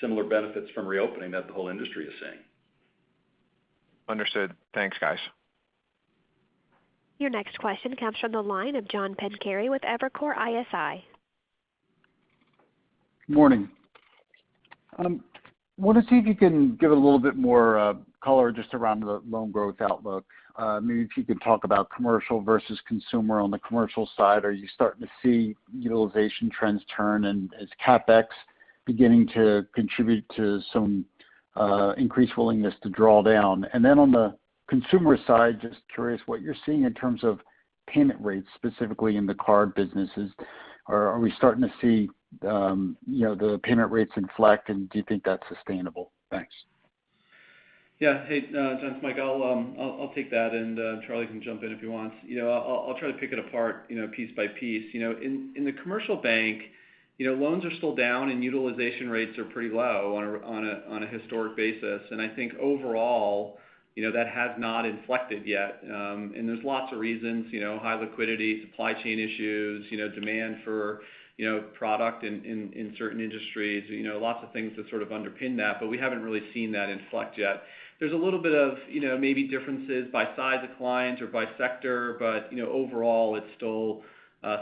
similar benefits from reopening that the whole industry is seeing. Understood. Thanks, guys. Your next question comes from the line of John Pancari with Evercore ISI. Morning. I want to see if you can give a little bit more color just around the loan growth outlook. Maybe if you could talk about commercial versus consumer on the commercial side. Are you starting to see utilization trends turn and is CapEx beginning to contribute to some increased willingness to draw down? On the consumer side, just curious what you're seeing in terms of payment rates specifically in the card businesses. Are we starting to see the payment rates inflect, and do you think that's sustainable? Thanks. Yeah. Hey, John. Mike, I'll take that, and Charlie can jump in if he wants. I'll try to pick it apart piece by piece. In the commercial bank, loans are still down and utilization rates are pretty low on a historic basis. I think overall that has not inflected yet. There's lots of reasons, high liquidity, supply chain issues, demand for product in certain industries, lots of things that sort of underpin that, but we haven't really seen that inflect yet. There's a little bit of maybe differences by size of clients or by sector, but overall it's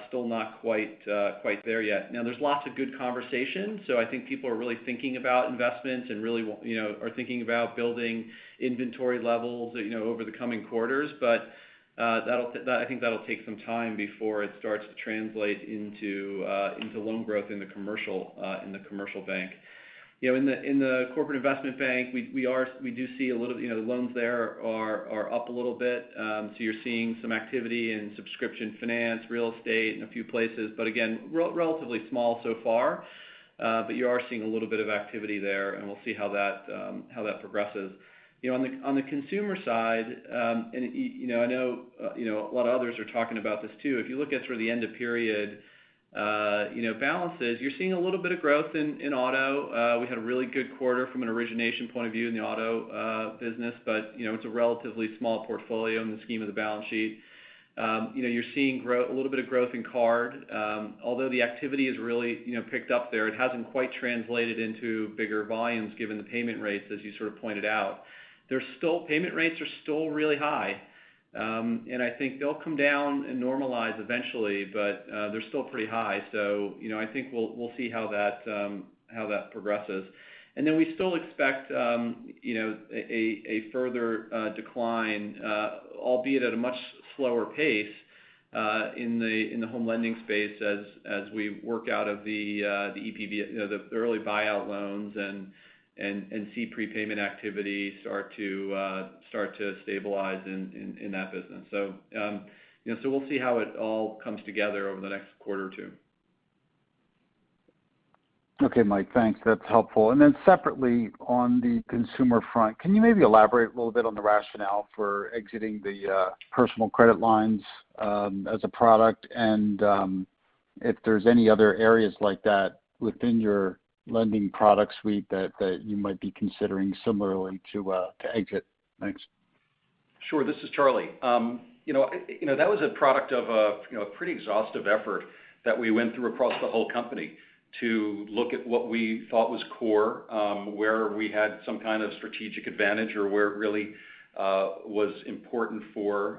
still not quite there yet. Now there's lots of good conversations. I think people are really thinking about investments and really are thinking about building inventory levels over the coming quarters. I think that'll take some time before it starts to translate into loan growth in the Commercial Bank. In the Corporate Investment Bank, we do see loans there are up a little bit. You're seeing some activity in subscription finance, real estate in a few places, but again, relatively small so far. You are seeing a little bit of activity there, and we'll see how that progresses. On the consumer side, I know a lot of others are talking about this too. If you look at sort of the end of period balances, you're seeing a little bit of growth in auto. We had a really good quarter from an origination point of view in the auto business, but it's a relatively small portfolio in the scheme of the balance sheet. You're seeing a little bit of growth in card. Although the activity has really picked up there, it hasn't quite translated into bigger volumes given the payment rates as you sort of pointed out. Payment rates are still really high. I think they'll come down and normalize eventually, but they're still pretty high. I think we'll see how that progresses. We still expect a further decline, albeit at a much slower pace, in the home lending space as we work out of the early buyout loans and see prepayment activity start to stabilize in that business. We'll see how it all comes together over the next quarter or two. Okay, Mike, thanks. That's helpful. Separately on the consumer front, can you maybe elaborate a little bit on the rationale for exiting the personal credit lines as a product and if there's any other areas like that within your lending product suite that you might be considering similarly to exit? Thanks. Sure. This is Charlie. That was a product of a pretty exhaustive effort that we went through across the whole company to look at what we thought was core, where we had some kind of strategic advantage, or where it really was important for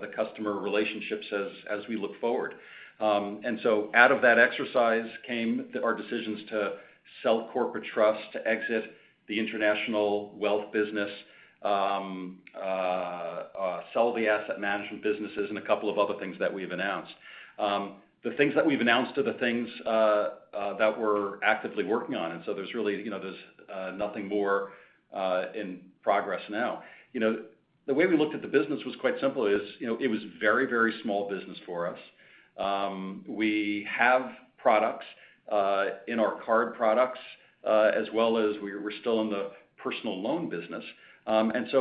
the customer relationships as we look forward. Out of that exercise came our decisions to sell corporate trust, to exit the international wealth business, sell the asset management businesses, and a couple of other things that we've announced. The things that we've announced are the things that we're actively working on. There's really nothing more in progress now. The way we looked at the business was quite simple. It was a very small business for us. We have products in our card products, as well as we're still in the personal loan business.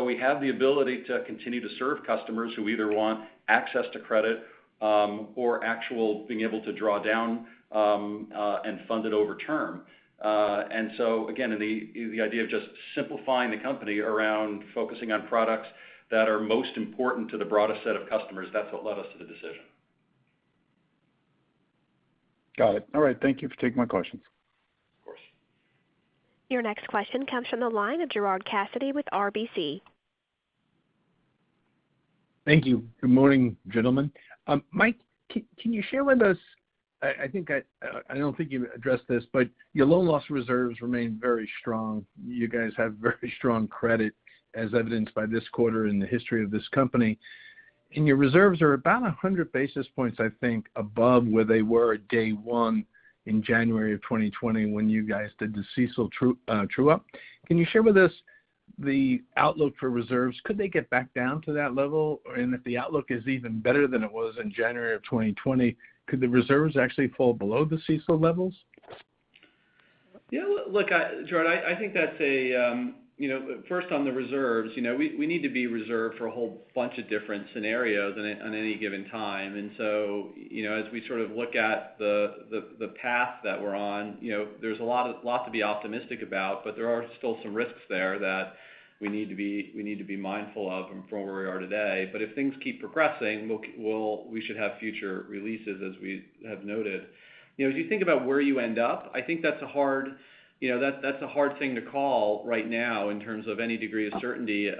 We have the ability to continue to serve customers who either want access to credit or actually being able to draw down and fund it over term. Again, the idea of just simplifying the company around focusing on products that are most important to the broadest set of customers, that's what led us to the decision. Got it. All right. Thank you for taking my questions. Of course. Your next question comes from the line of Gerard Cassidy with RBC. Thank you. Good morning, gentlemen. Mike, can you share with us, I don't think you've addressed this, but your loan loss reserves remain very strong. You guys have very strong credit, as evidenced by this quarter in the history of this company. Your reserves are about 100 basis points, I think, above where they were at day one in January of 2020 when you guys did the CECL true-up. Can you share with us the outlook for reserves? Could they get back down to that level? If the outlook is even better than it was in January of 2020, could the reserves actually fall below the CECL levels? Yeah. Look, Gerard, first on the reserves, we need to be reserved for a whole bunch of different scenarios at any given time. As we sort of look at the path that we're on, there's a lot to be optimistic about, but there are still some risks there that we need to be mindful of from where we are today. If things keep progressing, we should have future releases, as we have noted. If you think about where you end up, I think that's a hard thing to call right now in terms of any degree of certainty at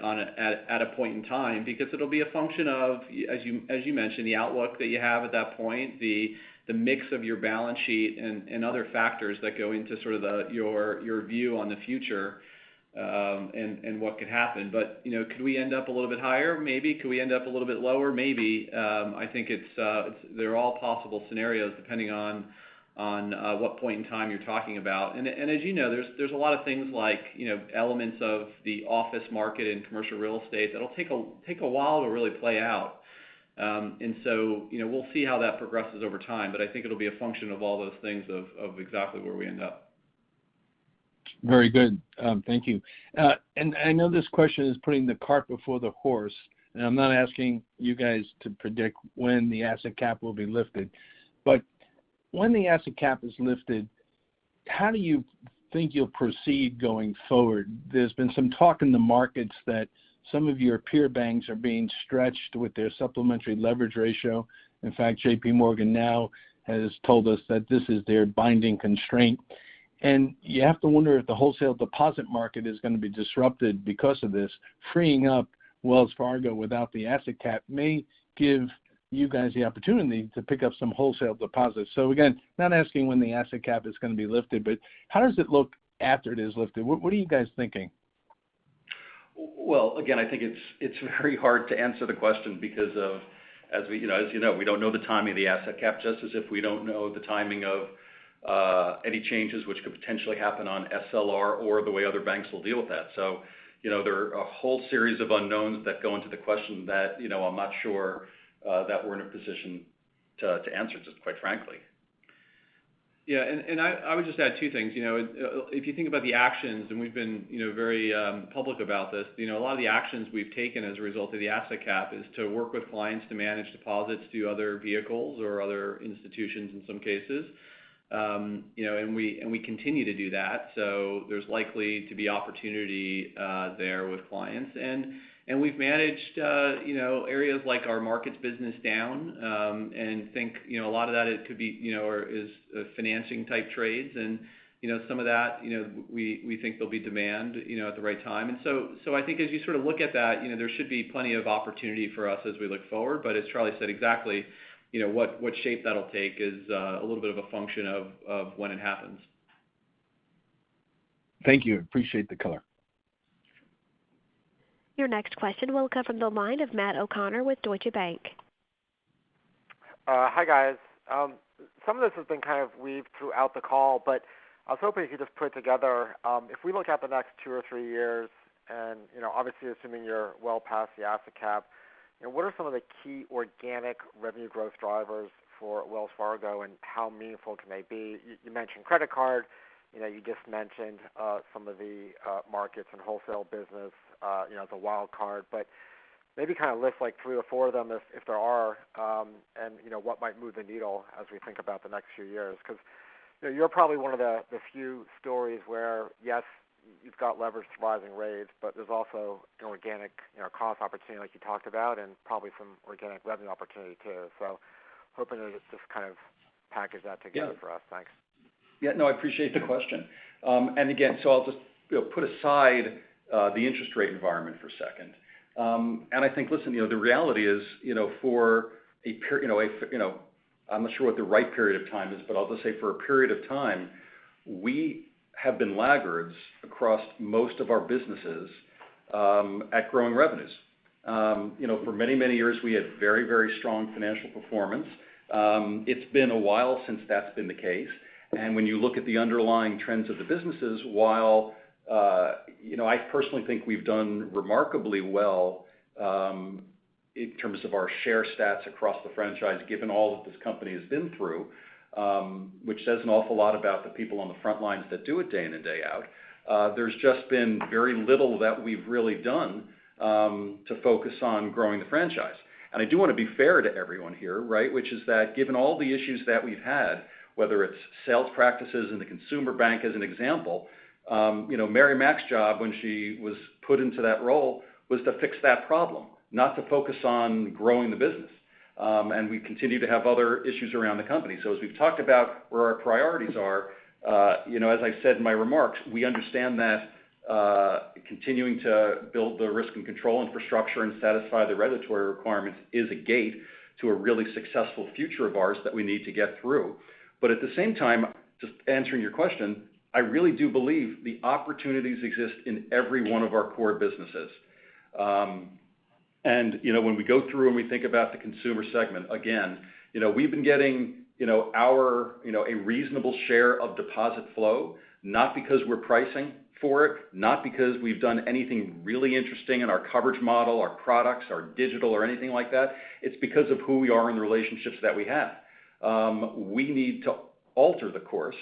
a point in time because it'll be a function of, as you mentioned, the outlook that you have at that point, the mix of your balance sheet and other factors that go into sort of your view on the future and what could happen. Could we end up a little bit higher? Maybe. Could we end up a little bit lower? Maybe. I think they're all possible scenarios depending on what point in time you're talking about. As you know, there's a lot of things like elements of the office market and commercial real estate that'll take a while to really play out. We'll see how that progresses over time. I think it'll be a function of all those things of exactly where we end up. Very good. Thank you. I know this question is putting the cart before the horse, and I'm not asking you guys to predict when the asset cap will be lifted, but when the asset cap is lifted, how do you think you'll proceed going forward? There's been some talk in the markets that some of your peer banks are being stretched with their supplementary leverage ratio. J.P. Morgan now has told us that this is their binding constraint. You have to wonder if the wholesale deposit market is going to be disrupted because of this. Freeing up Wells Fargo without the asset cap may give you guys the opportunity to pick up some wholesale deposits. Again, not asking when the asset cap is going to be lifted, but how does it look after it is lifted? What are you guys thinking? Well, again, I think it's very hard to answer the question because of, as you know, we don't know the timing of the asset cap, just as if we don't know the timing of any changes which could potentially happen on SLR or the way other banks will deal with that. There are a whole series of unknowns that go into the question that I'm not sure that we're in a position to answer just quite frankly. Yeah. I would just add two things. If you think about the actions, and we've been very public about this, a lot of the actions we've taken as a result of the asset cap is to work with clients to manage deposits through other vehicles or other institutions in some cases. We continue to do that. There's likely to be opportunity there with clients. We've managed areas like our markets business down, and think a lot of that is financing type trades. Some of that we think there'll be demand at the right time. I think as you sort of look at that, there should be plenty of opportunity for us as we look forward. As Charlie said, exactly, what shape that'll take is a little bit of a function of when it happens. Thank you. Appreciate the color. Your next question will come from the line of Matt O'Connor with Deutsche Bank. Hi, guys. Some of this has been kind of weaved throughout the call, but I was hoping you could put together, if we look out the next two or three years, and obviously assuming you're well past the asset cap, what are some of the key organic revenue growth drivers for Wells Fargo, and how meaningful can they be? You mentioned credit cards. You just mentioned some of the markets and wholesale business, the wild card, but maybe kind of list three or four of them if there are, and what might move the needle as we think about the next few years because you're probably one of the few stories where, yes, you've got leverage to rising rates, but there's also an organic cost opportunity like you talked about, and probably some organic revenue opportunity too. Hoping to just kind of package that together for us. Thanks. Yeah, no, I appreciate the question. I'll just put aside the interest rate environment for a second. I think, listen, the reality is, I'm not sure what the right period of time is, but I'll just say for a period of time, we have been laggards across most of our businesses at growing revenues. For many, many years, we had very, very strong financial performance. It's been a while since that's been the case. When you look at the underlying trends of the businesses, while I personally think we've done remarkably well in terms of our share stats across the franchise, given all that this company has been through which says an awful lot about the people on the front lines that do it day in and day out. There's just been very little that we've really done to focus on growing the franchise. I do want to be fair to everyone here. Which is that given all the issues that we've had, whether it's sales practices in the consumer bank as an example. Mary Mack's job when she was put into that role was to fix that problem, not to focus on growing the business. We continue to have other issues around the company. As we've talked about where our priorities are, as I said in my remarks, we understand that continuing to build the risk and control infrastructure and satisfy the regulatory requirements is a gate to a really successful future of ours that we need to get through. At the same time, just answering your question, I really do believe the opportunities exist in every one of our core businesses. When we go through and we think about the consumer segment, again we've been getting a reasonable share of deposit flow, not because we're pricing for it, not because we've done anything really interesting in our coverage model, our products, our digital or anything like that. It's because of who we are and the relationships that we have. We need to alter the course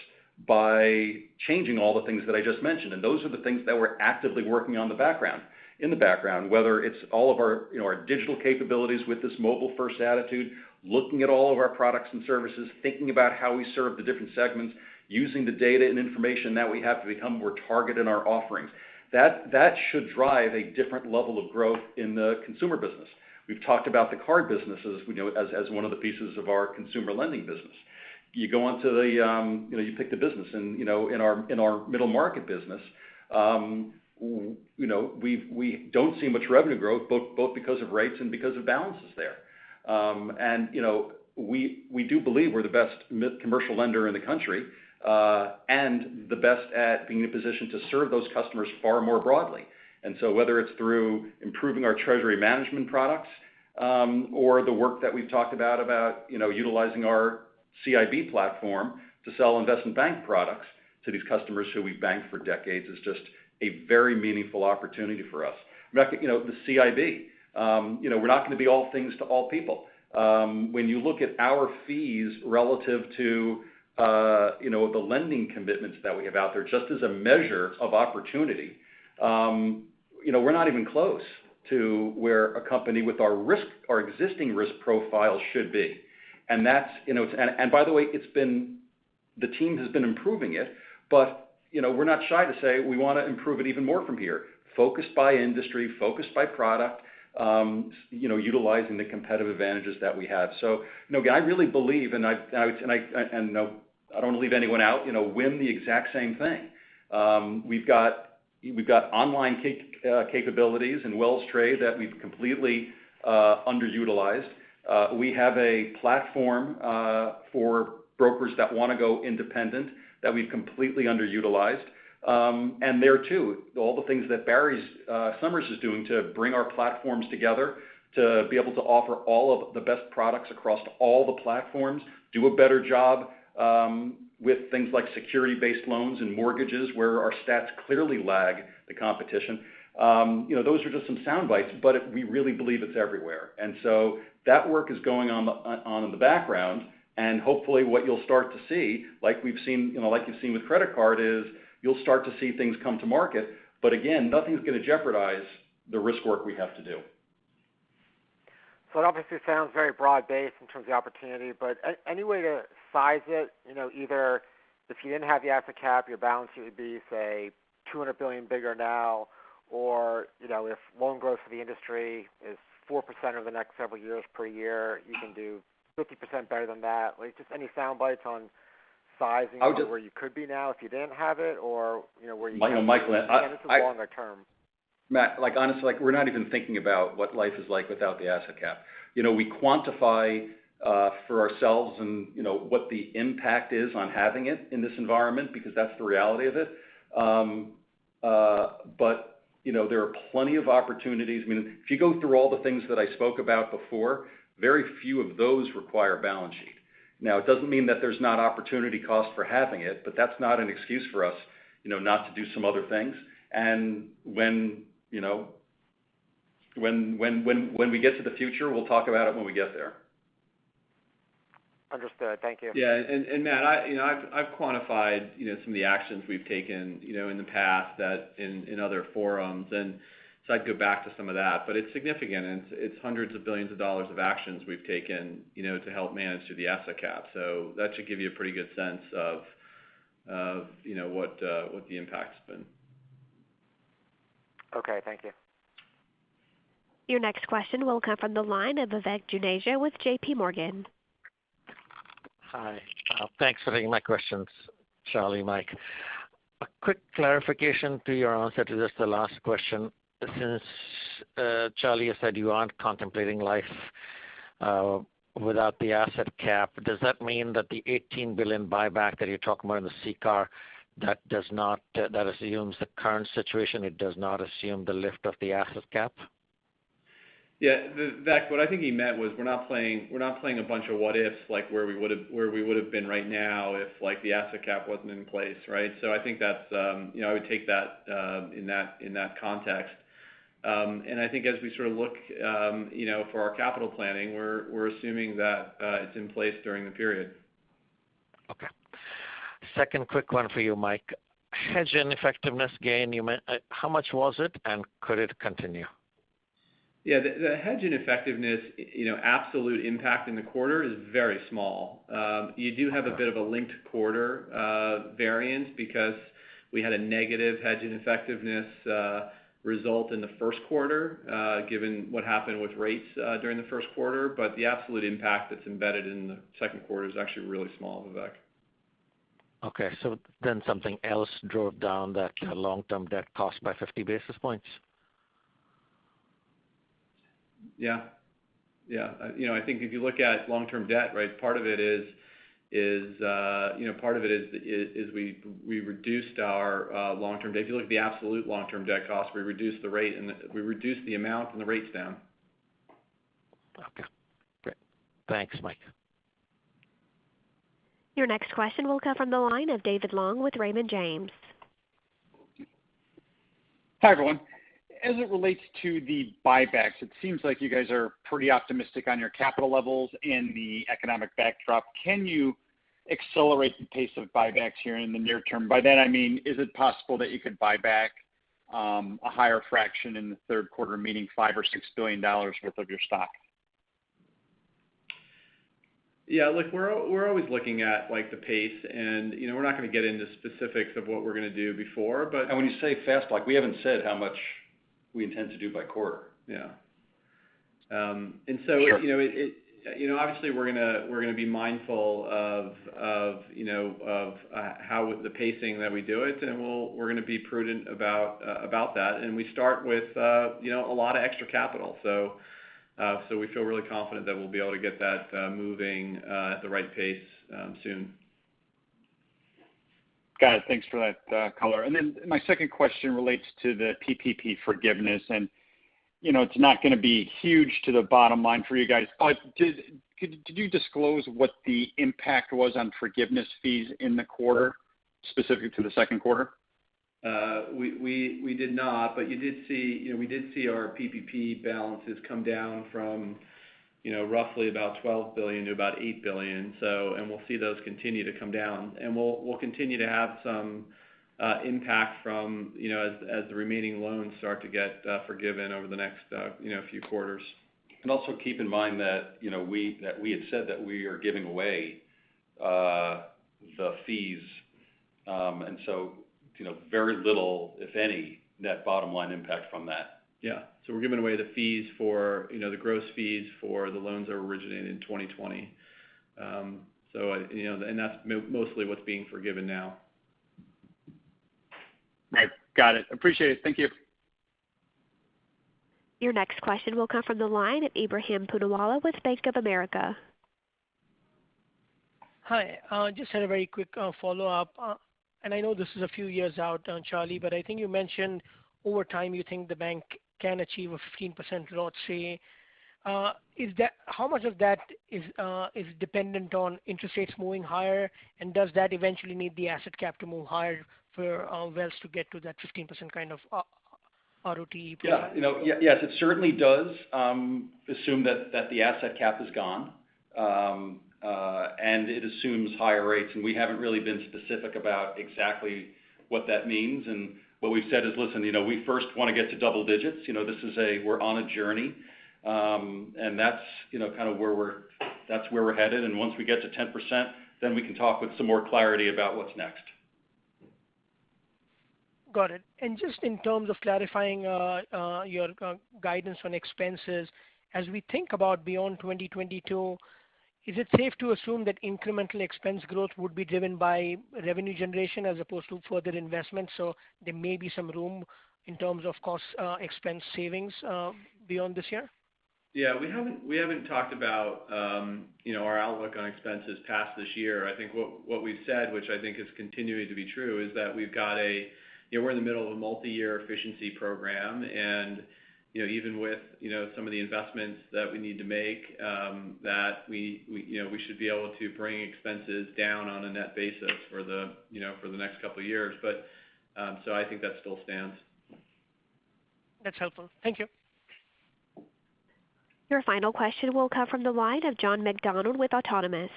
by changing all the things that I just mentioned. Those are the things that we're actively working on in the background. Whether it's all of our digital capabilities with this mobile-first attitude, looking at all of our products and services, thinking about how we serve the different segments, using the data and information that we have to become more targeted in our offerings. That should drive a different level of growth in the consumer business. We've talked about the card business as one of the pieces of our consumer lending business. You pick the business in our middle market business. We don't see much revenue growth both because of rates and because of balances there. We do believe we're the best commercial lender in the country and the best at being in a position to serve those customers far more broadly. Whether it's through improving our treasury management products or the work that we've talked about utilizing our CIB platform to sell investment bank products to these customers who we've banked for decades is just a very meaningful opportunity for us. The CIB we're not going to be all things to all people when you look at our fees relative to the lending commitments that we have out there just as a measure of opportunity. We're not even close to where a company with our existing risk profile should be. By the way, the team has been improving it, but we're not shy to say we want to improve it even more from here. Focused by industry, focused by product utilizing the competitive advantages that we have. I really believe, and I don't want to leave anyone out, WIM, the exact same thing. We've got online capabilities and WellsTrade that we've completely underutilized. We have a platform for brokers that want to go independent that we've completely underutilized. There too, all the things that Barry Sommers is doing to bring our platforms together to be able to offer all of the best products across all the platforms, do a better job with things like security-based loans and mortgages where our stats clearly lag the competition. Those are just some soundbites, but we really believe it's everywhere. That work is going on in the background, and hopefully what you'll start to see like we've seen with credit card is you'll start to see things come to market. Again, nothing's going to jeopardize the risk work we have to do. It obviously sounds very broad-based in terms of opportunity, but any way to size it either if you didn't have the asset cap, your balance sheet would be, say, $200 billion bigger now, or if loan growth for the industry is 4% over the next several years per year, you can do 50% better than that. Just any soundbites on sizing where you could be now if you didn't have it or where you could be longer term? Matt, honestly, we're not even thinking about what life is like without the asset cap. We quantify for ourselves and what the impact is on having it in this environment because that's the reality of it. There are plenty of opportunities. I mean, if you go through all the things that I spoke about before, very few of those require balance sheet. It doesn't mean that there's not opportunity cost for having it, but that's not an excuse for us not to do some other things. When we get to the future, we'll talk about it when we get there. Understood. Thank you. Yeah. Matt, I've quantified some of the actions we've taken in the past in other forums, and so I'd go back to some of that. It's significant. It's hundreds of billions of dollars of actions we've taken to help manage through the asset cap. That should give you a pretty good sense of what the impact has been. Okay. Thank you. Your next question will come from the line of Vivek Juneja with J.P. Morgan. Hi. Thanks for taking my questions, Charlie and Mike. A quick clarification to your answer to just the last question. Since, Charlie, you said you aren't contemplating life without the asset cap, does that mean that the $18 billion buyback that you're talking about in the CCAR assumes the current situation, it does not assume the lift of the asset cap? Yeah. Vivek, what I think he meant was we're not playing a bunch of what-ifs like where we would've been right now if the asset cap wasn't in place. Right? I think I would take that in that context. I think as we sort of look for our capital planning, we're assuming that it's in place during the period. Okay. Second quick one for you, Mike. Hedge ineffectiveness gain, how much was it and could it continue? Yeah, the hedge ineffectiveness absolute impact in the quarter is very small. You do have a bit of a linked quarter variance because we had a negative hedge ineffectiveness result in the first quarter given what happened with rates during the first quarter. The absolute impact that's embedded in the second quarter is actually really small, Vivek. Okay. Something else drove down that long-term debt cost by 50 basis points? I think if you look at long-term debt, part of it is we reduced our long-term debt. If you look at the absolute long-term debt cost, we reduced the amount and the rates down. Okay. Great. Thanks, Mike. Your next question will come from the line of David Long with Raymond James. Hi, everyone. As it relates to the buybacks, it seems like you guys are pretty optimistic on your capital levels and the economic backdrop. Can you accelerate the pace of buybacks here in the near term? By that I mean, is it possible that you could buy back a higher fraction in the third quarter, meaning $5 or $6 billion worth of your stock? Yeah. We're always looking at the pace, and we're not going to get into specifics of what we're going to do before. When you say fast, we haven't said how much we intend to do by quarter. Yeah. Sure. Obviously, we're going to be mindful of the pacing that we do it, and we're going to be prudent about that. We start with a lot of extra capital. We feel really confident that we'll be able to get that moving at the right pace soon. Got it. Thanks for that color. My second question relates to the PPP forgiveness. It's not going to be huge to the bottom line for you guys. Did you disclose what the impact was on forgiveness fees in the quarter specific to the second quarter? We did not, but we did see our PPP balances come down from roughly about $12 billion to about $8 billion. We'll see those continue to come down. We'll continue to have some impact as the remaining loans start to get forgiven over the next few quarters. Also keep in mind that we had said that we are giving away the fees. Very little, if any, net bottom line impact from that. Yeah. We're giving away the gross fees for the loans that originated in 2020. That's mostly what's being forgiven now. Right. Got it. Appreciate it. Thank you. Your next question will come from the line of Ebrahim Poonawala with Bank of America. Hi. Just had a very quick follow-up. I know this is a few years out, Charlie, I think you mentioned over time you think the bank can achieve a 15% ROTCE. How much of that is dependent on interest rates moving higher? Does that eventually mean the asset cap to move higher for Wells to get to that 15% kind of ROT? Yeah. Yes, it certainly does assume that the asset cap is gone. It assumes higher rates. We haven't really been specific about exactly what that means. What we've said is, listen, we first want to get to double digits. We're on a journey. That's where we're headed. Once we get to 10%, then we can talk with some more clarity about what's next. Got it. Just in terms of clarifying your guidance on expenses. As we think about beyond 2022, is it safe to assume that incremental expense growth would be driven by revenue generation as opposed to further investments, so there may be some room in terms of cost expense savings beyond this year? Yeah, we haven't talked about our outlook on expenses past this year. I think what we've said, which I think is continuing to be true, is that we're in the middle of a multi-year efficiency program. Even with some of the investments that we need to make, that we should be able to bring expenses down on a net basis for the next couple of years. I think that still stands. That's helpful. Thank you. Your final question will come from the line of John McDonald with Autonomous.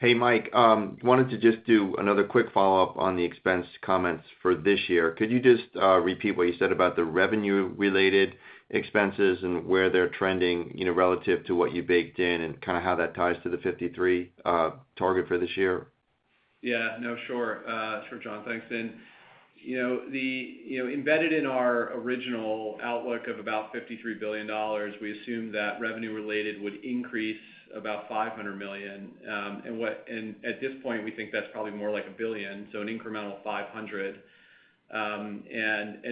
Hey, Mike. Wanted to just do another quick follow-up on the expense comments for this year. Could you just repeat what you said about the revenue-related expenses and where they're trending relative to what you baked in and kind of how that ties to the 53 target for this year? Yeah. No, sure, John. Thanks. Embedded in our original outlook of about $53 billion, we assumed that revenue related would increase about $500 million. At this point, we think that's probably more like $1 billion, so an incremental $500.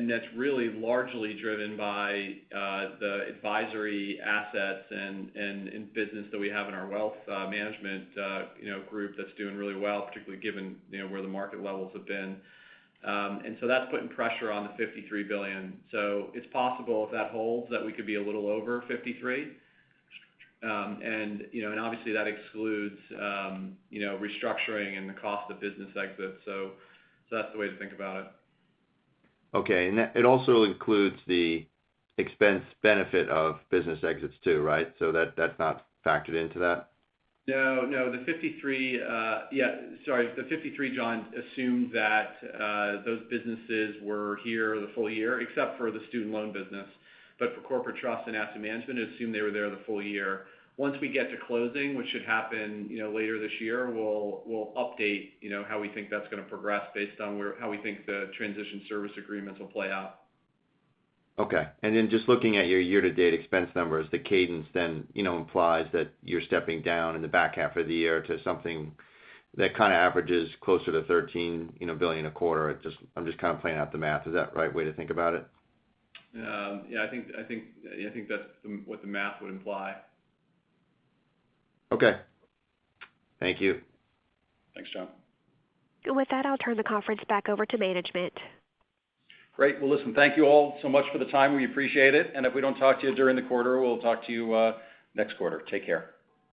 That's really largely driven by the advisory assets and business that we have in our wealth management group that's doing really well, particularly given where the market levels have been. That's putting pressure on the $53 billion. It's possible if that holds that we could be a little over $53. Obviously that excludes restructuring and the cost of business exits. That's the way to think about it. Okay. It also includes the expense benefit of business exits too, right? That's not factored into that? No, the 53, John, assumed that those businesses were here the full year except for the student loan business, but for corporate trust and asset management, assumed they were there the full year. Once we get to closing, which should happen later this year, we'll update how we think that's going to progress based on how we think the transition service agreements will play out. Okay. Just looking at your year-to-date expense numbers, the cadence then implies that you're stepping down in the back half of the year to something that kind of averages closer to $13 billion a quarter. I'm just kind of playing out the math. Is that the right way to think about it? Yeah, I think that's what the math would imply. Okay. Thank you. Thanks, John. With that, I'll turn the conference back over to management. Great. Well, listen, thank you all so much for the time. We appreciate it. If we don't talk to you during the quarter, we'll talk to you next quarter. Take care.